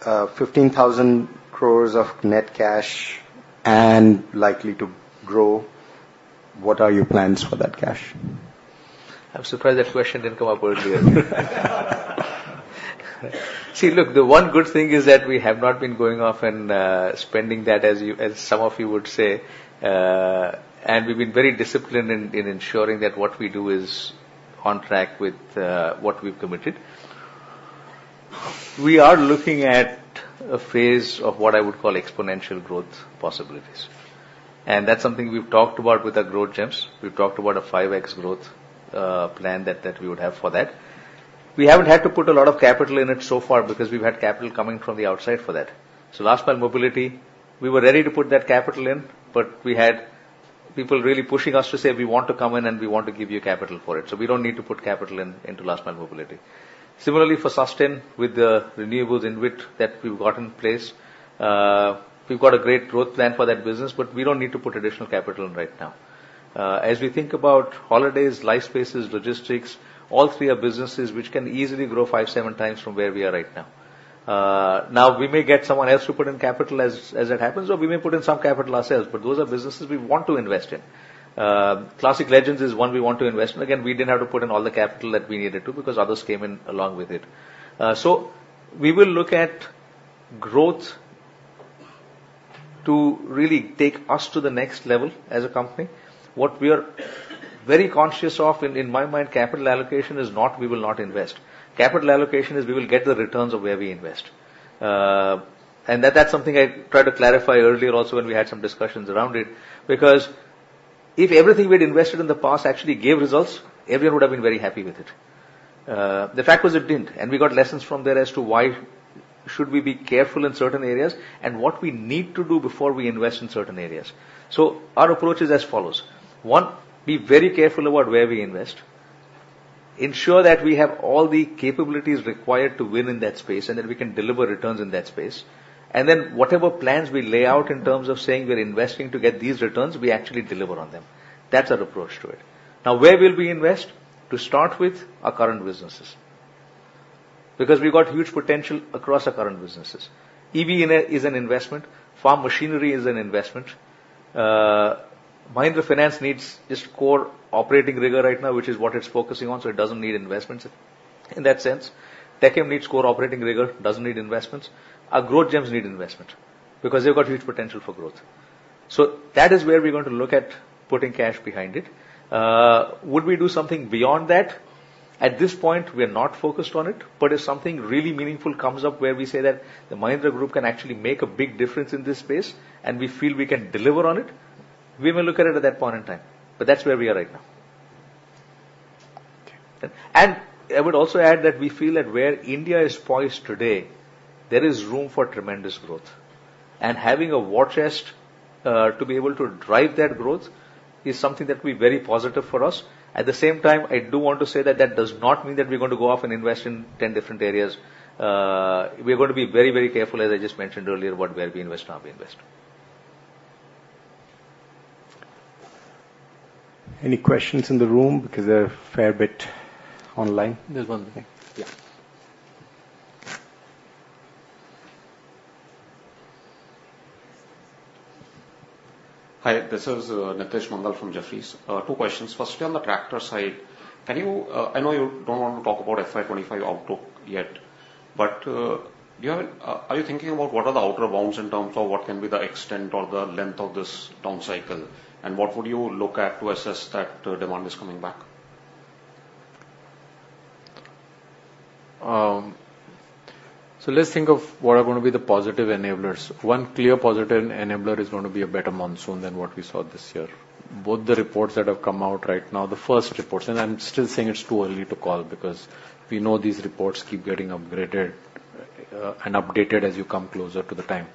15,000 crore of net cash and likely to grow. What are your plans for that cash? I'm surprised that question didn't come up earlier. See, look, the one good thing is that we have not been going off and, spending that as you as some of you would say. And we've been very disciplined in ensuring that what we do is on track with, what we've committed. We are looking at a phase of what I would call exponential growth possibilities. And that's something we've talked about with our growth gems. We've talked about a 5x growth plan that we would have for that. We haven't had to put a lot of capital in it so far because we've had capital coming from the outside for that. So last-mile mobility, we were ready to put that capital in. But we had people really pushing us to say, we want to come in, and we want to give you capital for it. So we don't need to put capital in into last-mile mobility. Similarly, for Susten with the renewables in which that we've got in place, we've got a great growth plan for that business. But we don't need to put additional capital in right now. As we think about Holidays, Life Spaces, Logistics, all three are businesses which can easily grow five, seven times from where we are right now. Now, we may get someone else to put in capital as, as it happens. Or we may put in some capital ourselves. But those are businesses we want to invest in. Classic Legends is one we want to invest in. Again, we didn't have to put in all the capital that we needed to because others came in along with it. So we will look at growth to really take us to the next level as a company. What we are very conscious of in my mind, capital allocation is not we will not invest. Capital allocation is we will get the returns of where we invest. And that, that's something I tried to clarify earlier also when we had some discussions around it because if everything we had invested in the past actually gave results, everyone would have been very happy with it. The fact was it didn't. We got lessons from there as to why should we be careful in certain areas and what we need to do before we invest in certain areas. So our approach is as follows. One, be very careful about where we invest. Ensure that we have all the capabilities required to win in that space and that we can deliver returns in that space. And then whatever plans we lay out in terms of saying we're investing to get these returns, we actually deliver on them. That's our approach to it. Now, where will we invest? To start with, our current businesses because we've got huge potential across our current businesses. EV is an investment. Farm machinery is an investment. Mahindra Finance needs just core operating rigor right now, which is what it's focusing on. So it doesn't need investments in that sense. Tech Mahindra needs core operating rigor, doesn't need investments. Our growth gems need investment because they've got huge potential for growth. So that is where we're going to look at putting cash behind it. Would we do something beyond that? At this point, we are not focused on it. But if something really meaningful comes up where we say that the Mahindra Group can actually make a big difference in this space, and we feel we can deliver on it, we may look at it at that point in time. But that's where we are right now. Okay. And I would also add that we feel that where India is poised today, there is room for tremendous growth. And having a war chest, to be able to drive that growth is something that will be very positive for us. At the same time, I do want to say that that does not mean that we're going to go off and invest in 10 different areas. We're going to be very, very careful, as I just mentioned earlier, about where we invest, how we invest. Any questions in the room because there are a fair bit online? There's one thing. Yeah. Hi. This is Nitij Mangal from Jefferies. Two questions. Firstly, on the tractor side, can you? I know you don't want to talk about FY 2025 outlook yet. But, do you have are you thinking about what are the outer bounds in terms of what can be the extent or the length of this down cycle? And what would you look at to assess that demand is coming back? So let's think of what are going to be the positive enablers. One clear positive enabler is going to be a better monsoon than what we saw this year. Both the reports that have come out right now, the first reports, and I'm still saying it's too early to call because we know these reports keep getting upgraded and updated as you come closer to the time.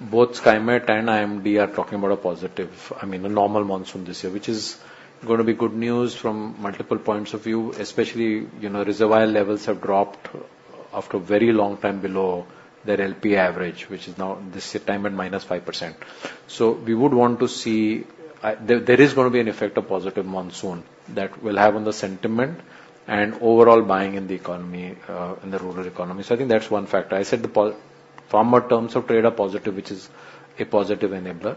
Both Skymet and IMD are talking about a positive, I mean, a normal monsoon this year, which is going to be good news from multiple points of view, especially, you know, reservoir levels have dropped after a very long time below their LP average, which is now this time at -5%. So we would want to see if there is going to be an effect of positive monsoon that will have on the sentiment and overall buying in the economy, in the rural economy. So I think that's one factor. I said the farmers' terms of trade are positive, which is a positive enabler.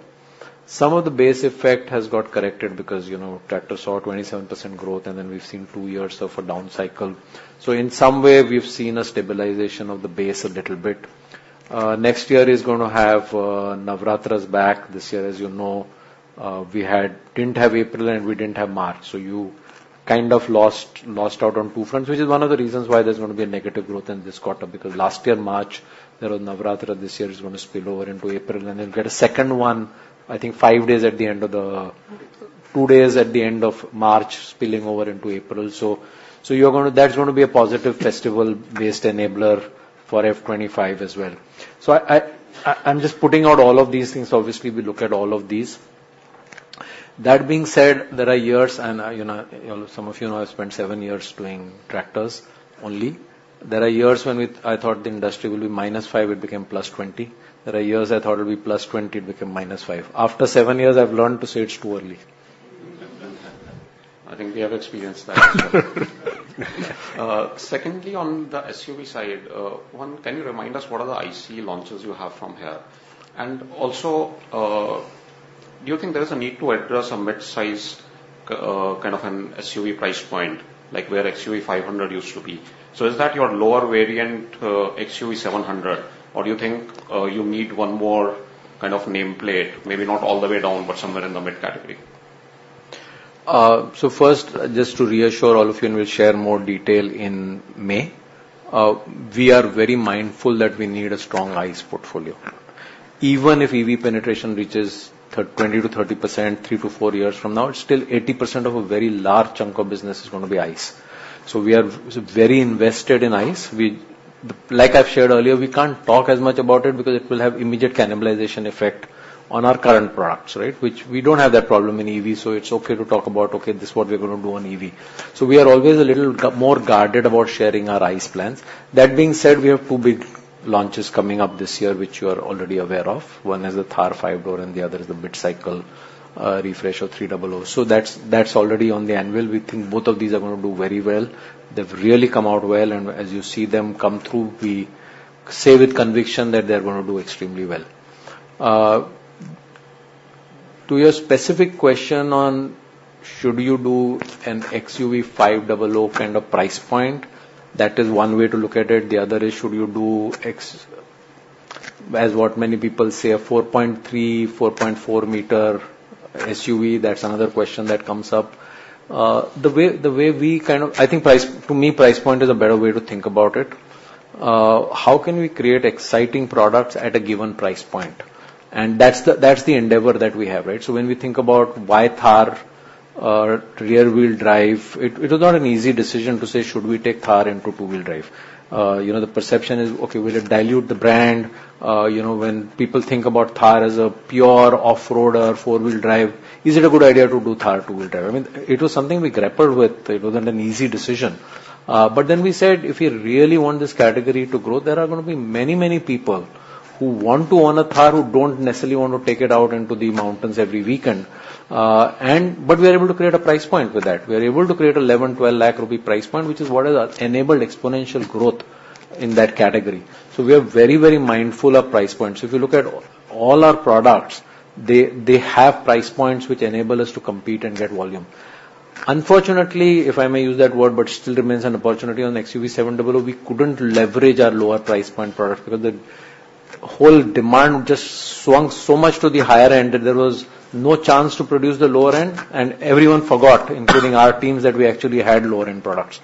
Some of the base effect has got corrected because, you know, tractors saw 27% growth. Then we've seen two years of a down cycle. So in some way, we've seen a stabilization of the base a little bit. Next year is going to have Navratri. It's back. This year, as you know, we didn't have April, and we didn't have March. So you kind of lost out on two fronts, which is one of the reasons why there's going to be a negative growth in this quarter because last year, March, there was Navratri. This year, it's going to spill over into April. And then we'll get a second one, I think, five days at the end of the two days at the end of March spilling over into April. So, you're going to. That's going to be a positive festival-based enabler for F25 as well. So, I'm just putting out all of these things. Obviously, we look at all of these. That being said, there are years and, you know, some of you know I've spent seven years doing tractors only. There are years when I thought the industry will be -5. It became +20. There are years I thought it'll be +20. It became -5. After seven years, I've learned to say it's too early. I think we have experienced that as well. Secondly, on the SUV side, one, can you remind us what are the ICE launches you have from here? And also, do you think there is a need to address a mid-sized, kind of an SUV price point, like where XUV500 used to be? So is that your lower variant, XUV700? Or do you think you need one more kind of nameplate, maybe not all the way down but somewhere in the mid-category? So first, just to reassure all of you, and we'll share more detail in May, we are very mindful that we need a strong ICE portfolio. Even if EV penetration reaches 20%-30% three to four years from now, it's still 80% of a very large chunk of business is going to be ICE. So we are very invested in ICE. Well, like I've shared earlier, we can't talk as much about it because it will have immediate cannibalization effect on our current products, right, which we don't have that problem in EV. So it's okay to talk about, okay, this is what we're going to do on EV. So we are always a little more guarded about sharing our ICE plans. That being said, we have two big launches coming up this year, which you are already aware of. One is the Thar 5 Door, and the other is the mid-cycle refresh of XUV300. So that's, that's already on the anvil. We think both of these are going to do very well. They've really come out well. And as you see them come through, we say with conviction that they're going to do extremely well. To your specific question on should you do an XUV500 kind of price point, that is one way to look at it. The other is should you do X as what many people say, a 4.3, 4.4 meter SUV? That's another question that comes up. The way the way we kind of I think price to me, price point is a better way to think about it. How can we create exciting products at a given price point? And that's the endeavor that we have, right? So when we think about why Thar rear-wheel drive, it was not an easy decision to say, should we take Thar into two-wheel drive? You know, the perception is, okay, will it dilute the brand? You know, when people think about Thar as a pure off-roader, four-wheel drive, is it a good idea to do Thar two-wheel drive? I mean, it was something we grappled with. It wasn't an easy decision. But then we said, if you really want this category to grow, there are going to be many, many people who want to own a Thar who don't necessarily want to take it out into the mountains every weekend. But we are able to create a price point with that. We are able to create a 11-12 lakh rupee price point, which is what has enabled exponential growth in that category. So we are very, very mindful of price points. If you look at all our products, they, they have price points which enable us to compete and get volume. Unfortunately, if I may use that word, but it still remains an opportunity on the XUV700, we couldn't leverage our lower price point products because the whole demand just swung so much to the higher end, and there was no chance to produce the lower end. And everyone forgot, including our teams, that we actually had lower-end products,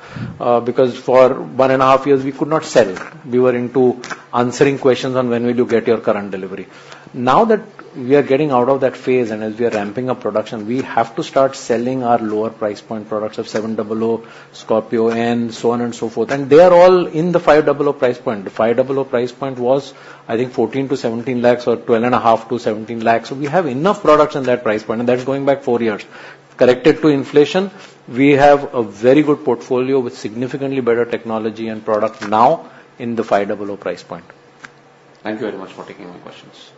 because for one and a half years, we could not sell. We were into answering questions on when will you get your current delivery. Now that we are getting out of that phase and as we are ramping up production, we have to start selling our lower price point products of 700, Scorpio, and so on and so forth. And they are all in the 500 price point. The 500 price point was, I think, 14-17 lakhs or 12.5-17 lakhs. So we have enough products in that price point. And that's going back four years. Corrected to inflation, we have a very good portfolio with significantly better technology and product now in the 500 price point. Thank you very much for taking my questions.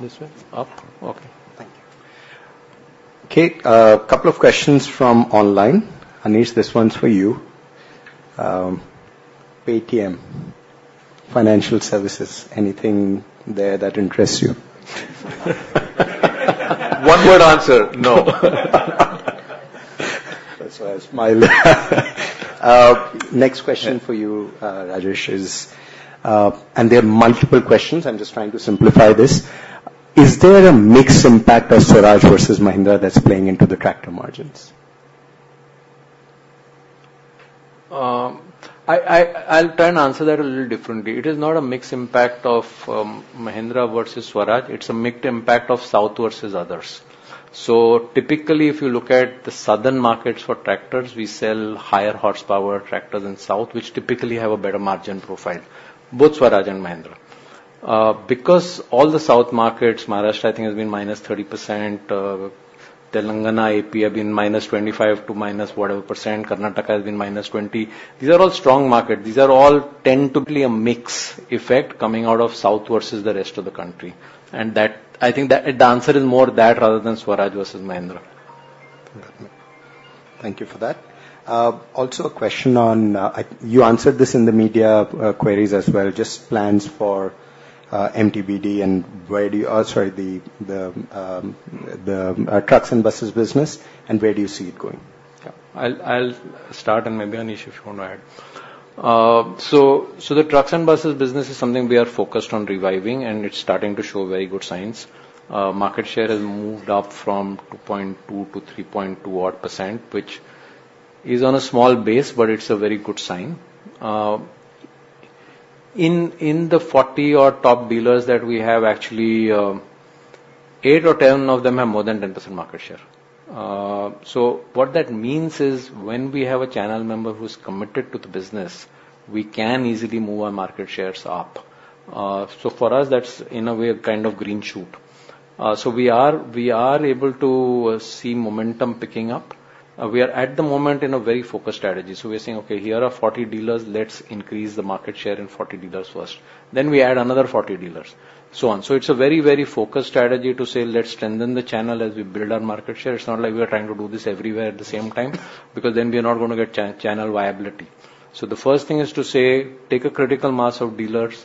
This way? Up? Okay. Thank you. Okay. A couple of questions from online. Anish, this one's for you. Paytm, financial services, anything there that interests you? One-word answer, no. That's why I smile. Next question for you, Rajesh, is and they're multiple questions. I'm just trying to simplify this. Is there a mixed impact of Swaraj versus Mahindra that's playing into the tractor margins? I'll try and answer that a little differently. It is not a mixed impact of, Mahindra versus Swaraj. It's a mixed impact of South versus others. So typically, if you look at the Southern markets for tractors, we sell higher horsepower tractors in South, which typically have a better margin profile, both Swaraj and Mahindra, because all the South markets, Maharashtra, I think, has been -30%. Telangana, AP, have been -25% to -whatever%. Karnataka has been -20%. These are all strong markets. These are all tend to be a mixed effect coming out of South versus the rest of the country. And that I think that the answer is more that rather than Swaraj versus Mahindra. Thank you for that. Also a question on—you answered this in the media queries as well—just plans for MTBD and where do you see the trucks and buses business going? Yeah. I'll start. Maybe Anish, if you want to add. So the trucks and buses business is something we are focused on reviving, and it's starting to show very good signs. Market share has moved up from 2.2%-3.2% odd, which is on a small base, but it's a very good sign. In the 40-odd top dealers that we have, actually, eight or 10 of them have more than 10% market share. So what that means is when we have a channel member who's committed to the business, we can easily move our market shares up. So for us, that's, in a way, a kind of green shoot. So we are able to see momentum picking up. We are, at the moment, in a very focused strategy. So we're saying, "Okay. Here are 40 dealers. Let's increase the market share in 40 dealers first. Then we add another 40 dealers," so on. So it's a very, very focused strategy to say, "Let's strengthen the channel as we build our market share." It's not like we are trying to do this everywhere at the same time because then we are not going to get channel viability. So the first thing is to say, "Take a critical mass of dealers.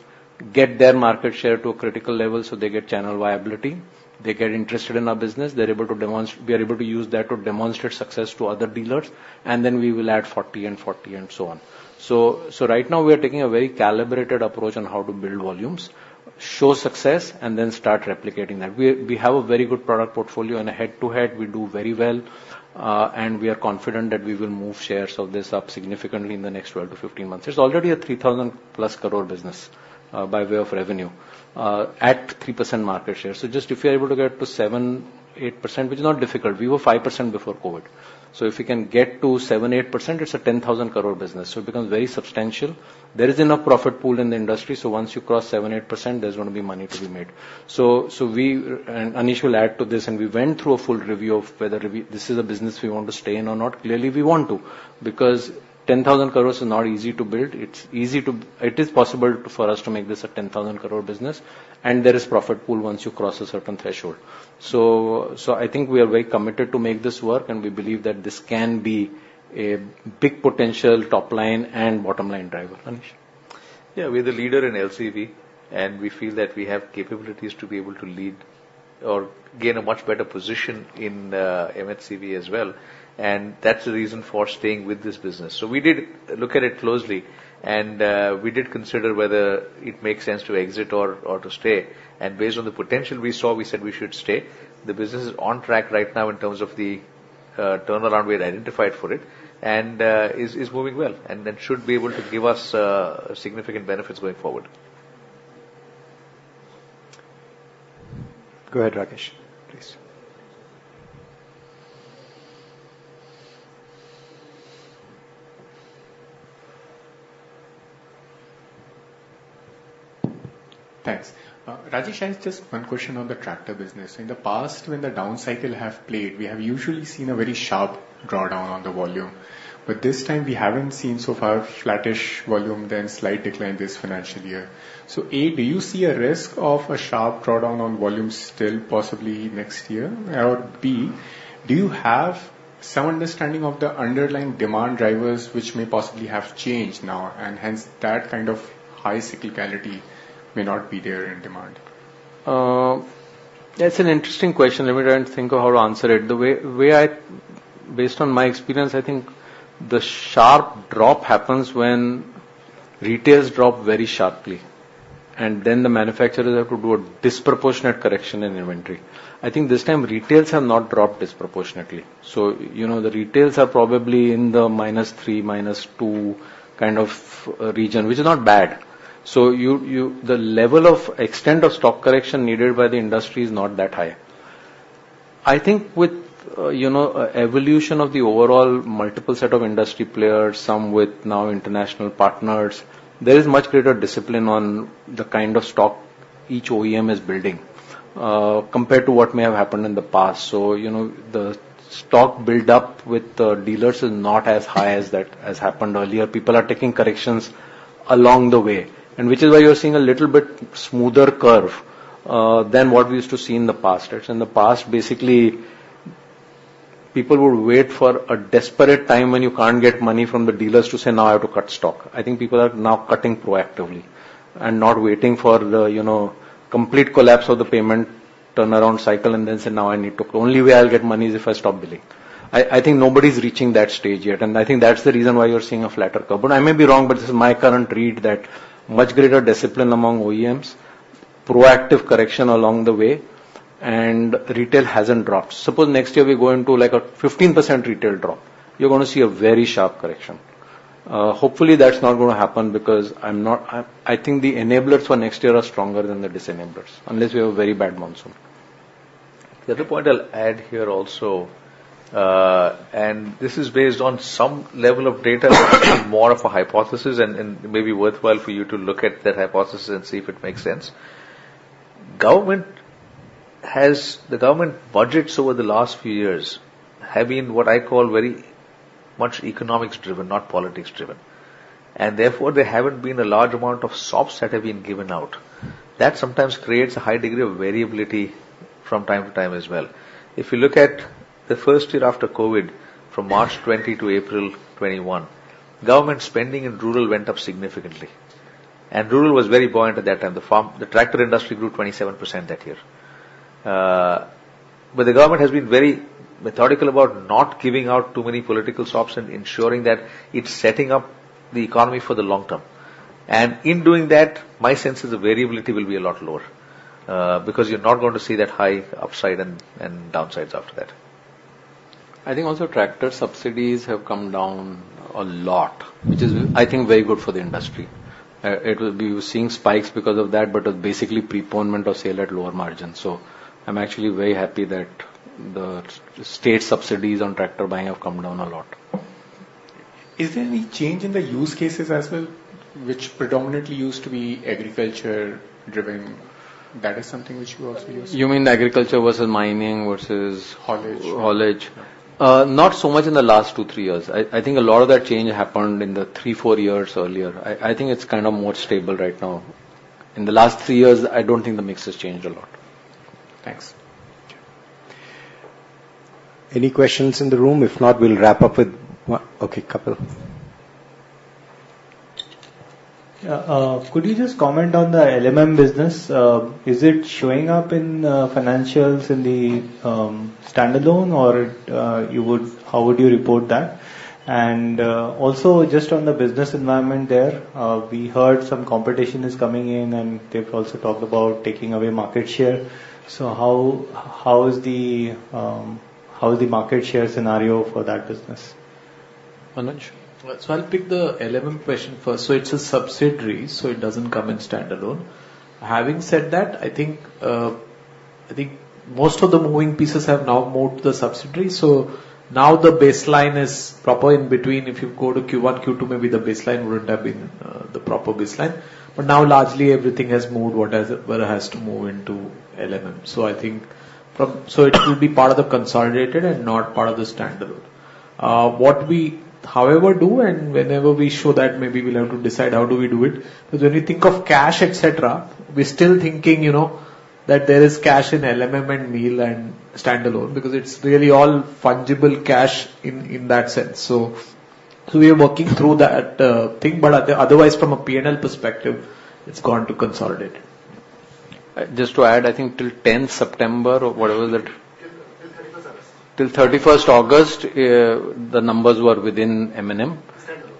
Get their market share to a critical level so they get channel viability. They get interested in our business. They're able to demonstrate we are able to use that to demonstrate success to other dealers. And then we will add 40 and 40 and so on." So, so right now, we are taking a very calibrated approach on how to build volumes, show success, and then start replicating that. We, we have a very good product portfolio. And head-to-head, we do very well, and we are confident that we will move shares of this up significantly in the next 12-15 months. It's already a 3,000+ crore business, by way of revenue, at 3% market share. So just if you are able to get to 7%-8%, which is not difficult, we were 5% before COVID. So if you can get to 7%-8%, it's a 10,000-crore business. So it becomes very substantial. There is enough profit pooled in the industry. So once you cross 7%-8%, there's going to be money to be made. So, we and Anish will add to this. We went through a full review of whether this is a business we want to stay in or not. Clearly, we want to because 10,000 crore is not easy to build. It is possible for us to make this a 10,000 crore business. There is profit pool once you cross a certain threshold. So, I think we are very committed to make this work. We believe that this can be a big potential top-line and bottom-line driver, Anish. Yeah. We're the leader in LCV. We feel that we have capabilities to be able to lead or gain a much better position in MHCV as well. That's the reason for staying with this business. We did look at it closely. We did consider whether it makes sense to exit or to stay. Based on the potential we saw, we said we should stay. The business is on track right now in terms of the turnaround we had identified for it and is moving well and should be able to give us significant benefits going forward. Go ahead, Rajesh, please. Thanks. Rajesh, I have just one question on the tractor business. In the past, when the down cycle has played, we have usually seen a very sharp drawdown on the volume. But this time, we haven't seen so far flattish volume than slight decline this financial year. So A, do you see a risk of a sharp drawdown on volume still possibly next year? Or B, do you have some understanding of the underlying demand drivers which may possibly have changed now, and hence, that kind of high cyclicality may not be there in demand? That's an interesting question. Let me try and think of how to answer it. The way I based on my experience, I think the sharp drop happens when retails drop very sharply. And then the manufacturers have to do a disproportionate correction in inventory. I think this time, retails have not dropped disproportionately. So, you know, the retails are probably in the -3, -2 kind of region, which is not bad. So the level of extent of stock correction needed by the industry is not that high. I think with, you know, evolution of the overall multiple set of industry players, some with now international partners, there is much greater discipline on the kind of stock each OEM is building, compared to what may have happened in the past. So, you know, the stock buildup with the dealers is not as high as that has happened earlier. People are taking corrections along the way, and which is why you're seeing a little bit smoother curve, than what we used to see in the past, right? So in the past, basically, people would wait for a desperate time when you can't get money from the dealers to say, "Now I have to cut stock." I think people are now cutting proactively and not waiting for the, you know, complete collapse of the payment turnaround cycle and then say, "Now I need to only way I'll get money is if I stop billing." I, I think nobody's reaching that stage yet. And I think that's the reason why you're seeing a flatter curve. But I may be wrong, but this is my current read, that much greater discipline among OEMs, proactive correction along the way, and retail hasn't dropped. Suppose next year, we go into, like, a 15% retail drop, you're going to see a very sharp correction. Hopefully, that's not going to happen because I'm not. I, I think the enablers for next year are stronger than the disenablers unless we have a very bad monsoon. The other point I'll add here also, and this is based on some level of data, more of a hypothesis, and, and maybe worthwhile for you to look at that hypothesis and see if it makes sense. Government has the government budgets over the last few years have been what I call very much economics-driven, not politics-driven. Therefore, there haven't been a large amount of SOPs that have been given out. That sometimes creates a high degree of variability from time to time as well. If you look at the first year after COVID, from March 2020 to April 2021, government spending in rural went up significantly. Rural was very buoyant at that time. The farm, the tractor industry grew 27% that year. The government has been very methodical about not giving out too many political sops and ensuring that it's setting up the economy for the longterm. In doing that, my sense, the variability will be a lot lower, because you're not going to see that high upside and downsides after that. I think also tractor subsidies have come down a lot, which is, I think, very good for the industry. It will be seeing spikes because of that, but it's basically preponement of sale at lower margins. So I'm actually very happy that the state subsidies on tractor buying have come down a lot. Is there any change in the use cases as well, which predominantly used to be agriculture-driven? That is something which you also use? You mean agriculture versus mining versus? Haulage. Haulage. Not so much in the last two, three years. I, I think a lot of that change happened in the three, four years earlier. I, I think it's kind of more stable right now. In the last three years, I don't think the mix has changed a lot. Thanks. Any questions in the room? If not, we'll wrap up with one, okay, couple. Yeah. Could you just comment on the LMM business? Is it showing up in financials in the standalone, or it you would how would you report that? And also just on the business environment there, we heard some competition is coming in, and they've also talked about taking away market share. So how is the market share scenario for that business? Anish? So I'll pick the LMM question first. So it's a subsidiary, so it doesn't come in standalone. Having said that, I think most of the moving pieces have now moved to the subsidiary. So now, the baseline is proper in between. If you go to Q1, Q2, maybe the baseline wouldn't have been the proper baseline. But now, largely, everything has moved, what has to move, into LMM. So I think, so it will be part of the consolidated and not part of the standalone. What we, however, do and whenever we show that, maybe we'll have to decide how do we do it because when we think of cash, etc., we're still thinking, you know, that there is cash in LMM and MEAL and standalone because it's really all fungible cash in, in that sense. So, so we are working through that thing. But I think otherwise, from a P&L perspective, it's gone to consolidate. Just to add, I think till 10th September or whatever that? Till August 31st. Till August 31st, the numbers were within M&M.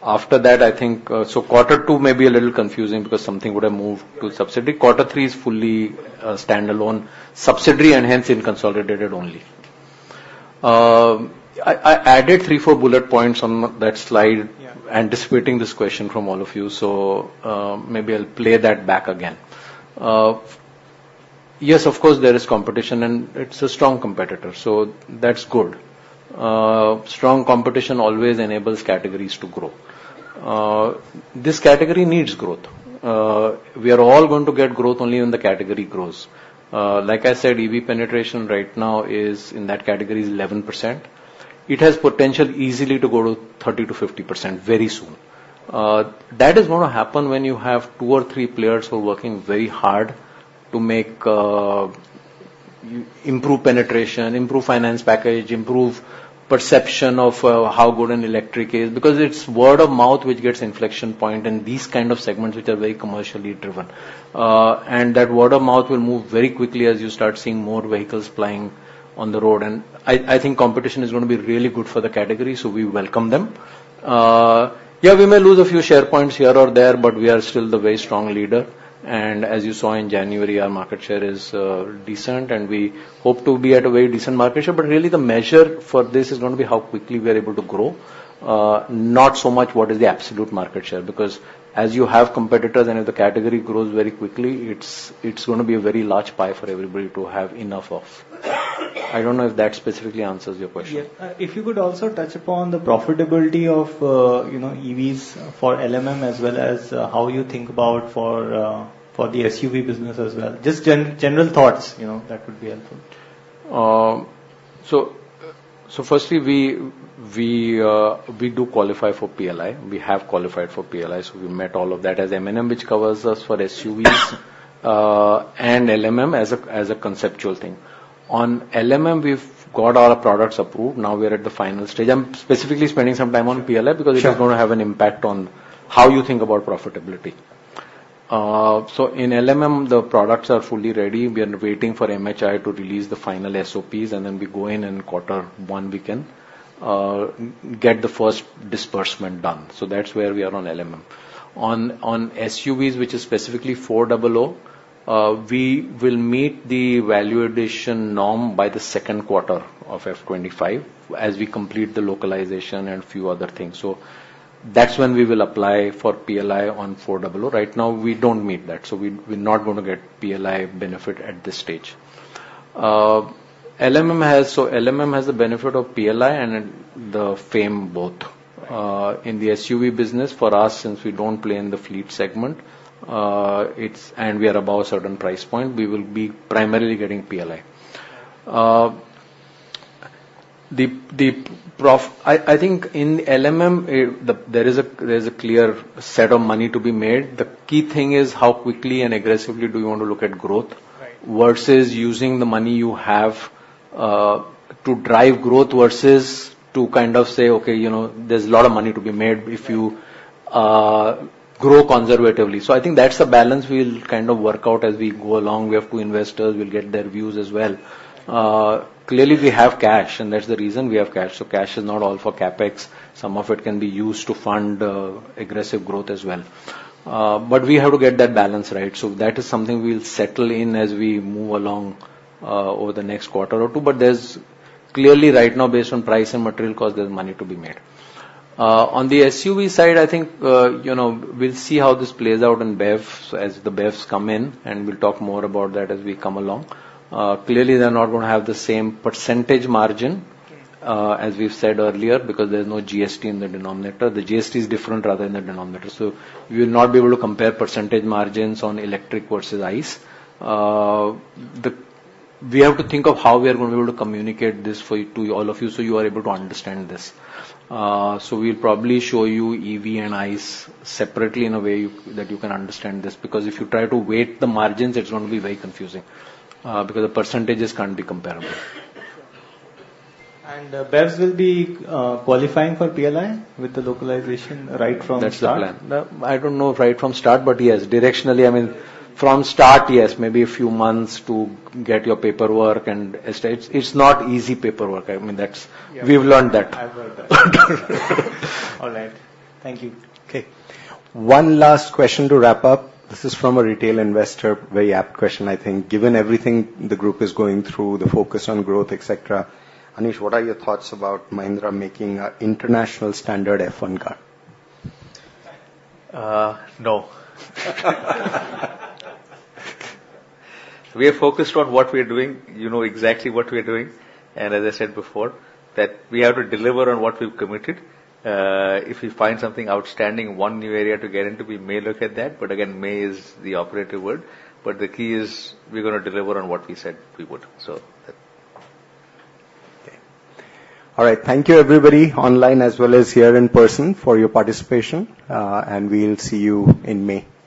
After that, I think, so quarter two may be a little confusing because something would have moved to subsidiary. Quarter three is fully, standalone, subsidiary, and hence, in consolidated only. I, I added three, four bullet points on that slide, anticipating this question from all of you. So, maybe I'll play that back again. Yes, of course, there is competition. It's a strong competitor. That's good. Strong competition always enables categories to grow. This category needs growth. We are all going to get growth only when the category grows. Like I said, EV penetration right now in that category is 11%. It has potential easily to go to 30%-50% very soon. That is going to happen when you have two or three players who are working very hard to make, improve penetration, improve finance package, improve perception of how good an electric is because it's word of mouth which gets inflection point in these kind of segments which are very commercially driven. And that word of mouth will move very quickly as you start seeing more vehicles flying on the road. And I, I think competition is going to be really good for the category. So we welcome them. Yeah, we may lose a few share points here or there, but we are still the very strong leader. And as you saw in January, our market share is decent. And we hope to be at a very decent market share. But really, the measure for this is going to be how quickly we are able to grow, not so much what is the absolute market share because as you have competitors, and if the category grows very quickly, it's going to be a very large pie for everybody to have enough of. I don't know if that specifically answers your question. Yeah. If you could also touch upon the profitability of, you know, EVs for LMM as well as how you think about for, for the SUV business as well. Just general thoughts, you know, that would be helpful. So, firstly, we do qualify for PLI. We have qualified for PLI. So we met all of that as M&M, which covers us for SUVs, and LMM as a conceptual thing. On LMM, we've got all our products approved. Now, we are at the final stage. I'm specifically spending some time on PLI because it is going to have an impact on how you think about profitability. So in LMM, the products are fully ready. We are waiting for MHI to release the final SOPs. And then we go in, and quarter one, we can get the first disbursement done. So that's where we are on LMM. On SUVs, which is specifically 400, we will meet the valuation norm by the second quarter of F 2025 as we complete the localization and a few other things. So that's when we will apply for PLI on 400. Right now, we don't meet that. So we're not going to get PLI benefit at this stage. LMM has the benefit of PLI and the FAME both. In the SUV business, for us, since we don't play in the fleet segment, it's and we are above a certain price point, we will be primarily getting PLI. The profit I think in LMM, there is a clear set of money to be made. The key thing is how quickly and aggressively do you want to look at growth versus using the money you have, to drive growth versus to kind of say, "Okay, you know, there's a lot of money to be made if you grow conservatively." So I think that's a balance we'll kind of work out as we go along. We have two investors. We'll get their views as well. Clearly, we have cash. That's the reason we have cash. Cash is not all for CapEx. Some of it can be used to fund aggressive growth as well. But we have to get that balance right. That is something we'll settle in as we move along, over the next quarter or two. But there's clearly right now, based on price and material cost, there's money to be made. On the SUV side, I think, you know, we'll see how this plays out in BEV as the BEVs come in. We'll talk more about that as we come along. Clearly, they're not going to have the same percentage margin, as we've said earlier, because there's no GST in the denominator. The GST is different, rather, in the denominator. So we will not be able to compare percentage margins on electric versus ICE. Then we have to think of how we are going to be able to communicate this for you to all of you so you are able to understand this. So we'll probably show you EV and ICE separately in a way you that you can understand this because if you try to weight the margins, it's going to be very confusing, because the percentages can't be comparable. And BEVs will be qualifying for PLI with the localization right from start? That's the plan. Then I don't know right from start, but yes, directionally, I mean, from start, yes, maybe a few months to get your paperwork and etc. It's, it's not easy paperwork. I mean, that's we've learned that. I've learned that. All right. Thank you. Okay. One last question to wrap up. This is from a retail investor, very apt question, I think. Given everything the group is going through, the focus on growth, etc., Anish, what are your thoughts about Mahindra making an international standard F1 car? No. We are focused on what we are doing, you know, exactly what we are doing. And as I said before, that we have to deliver on what we've committed. If we find something outstanding, one new area to get into, we may look at that. But again, may is the operative word. But the key is we're going to deliver on what we said we would. So that. Okay. All right. Thank you, everybody online as well as here in person, for your participation. And we'll see you in May.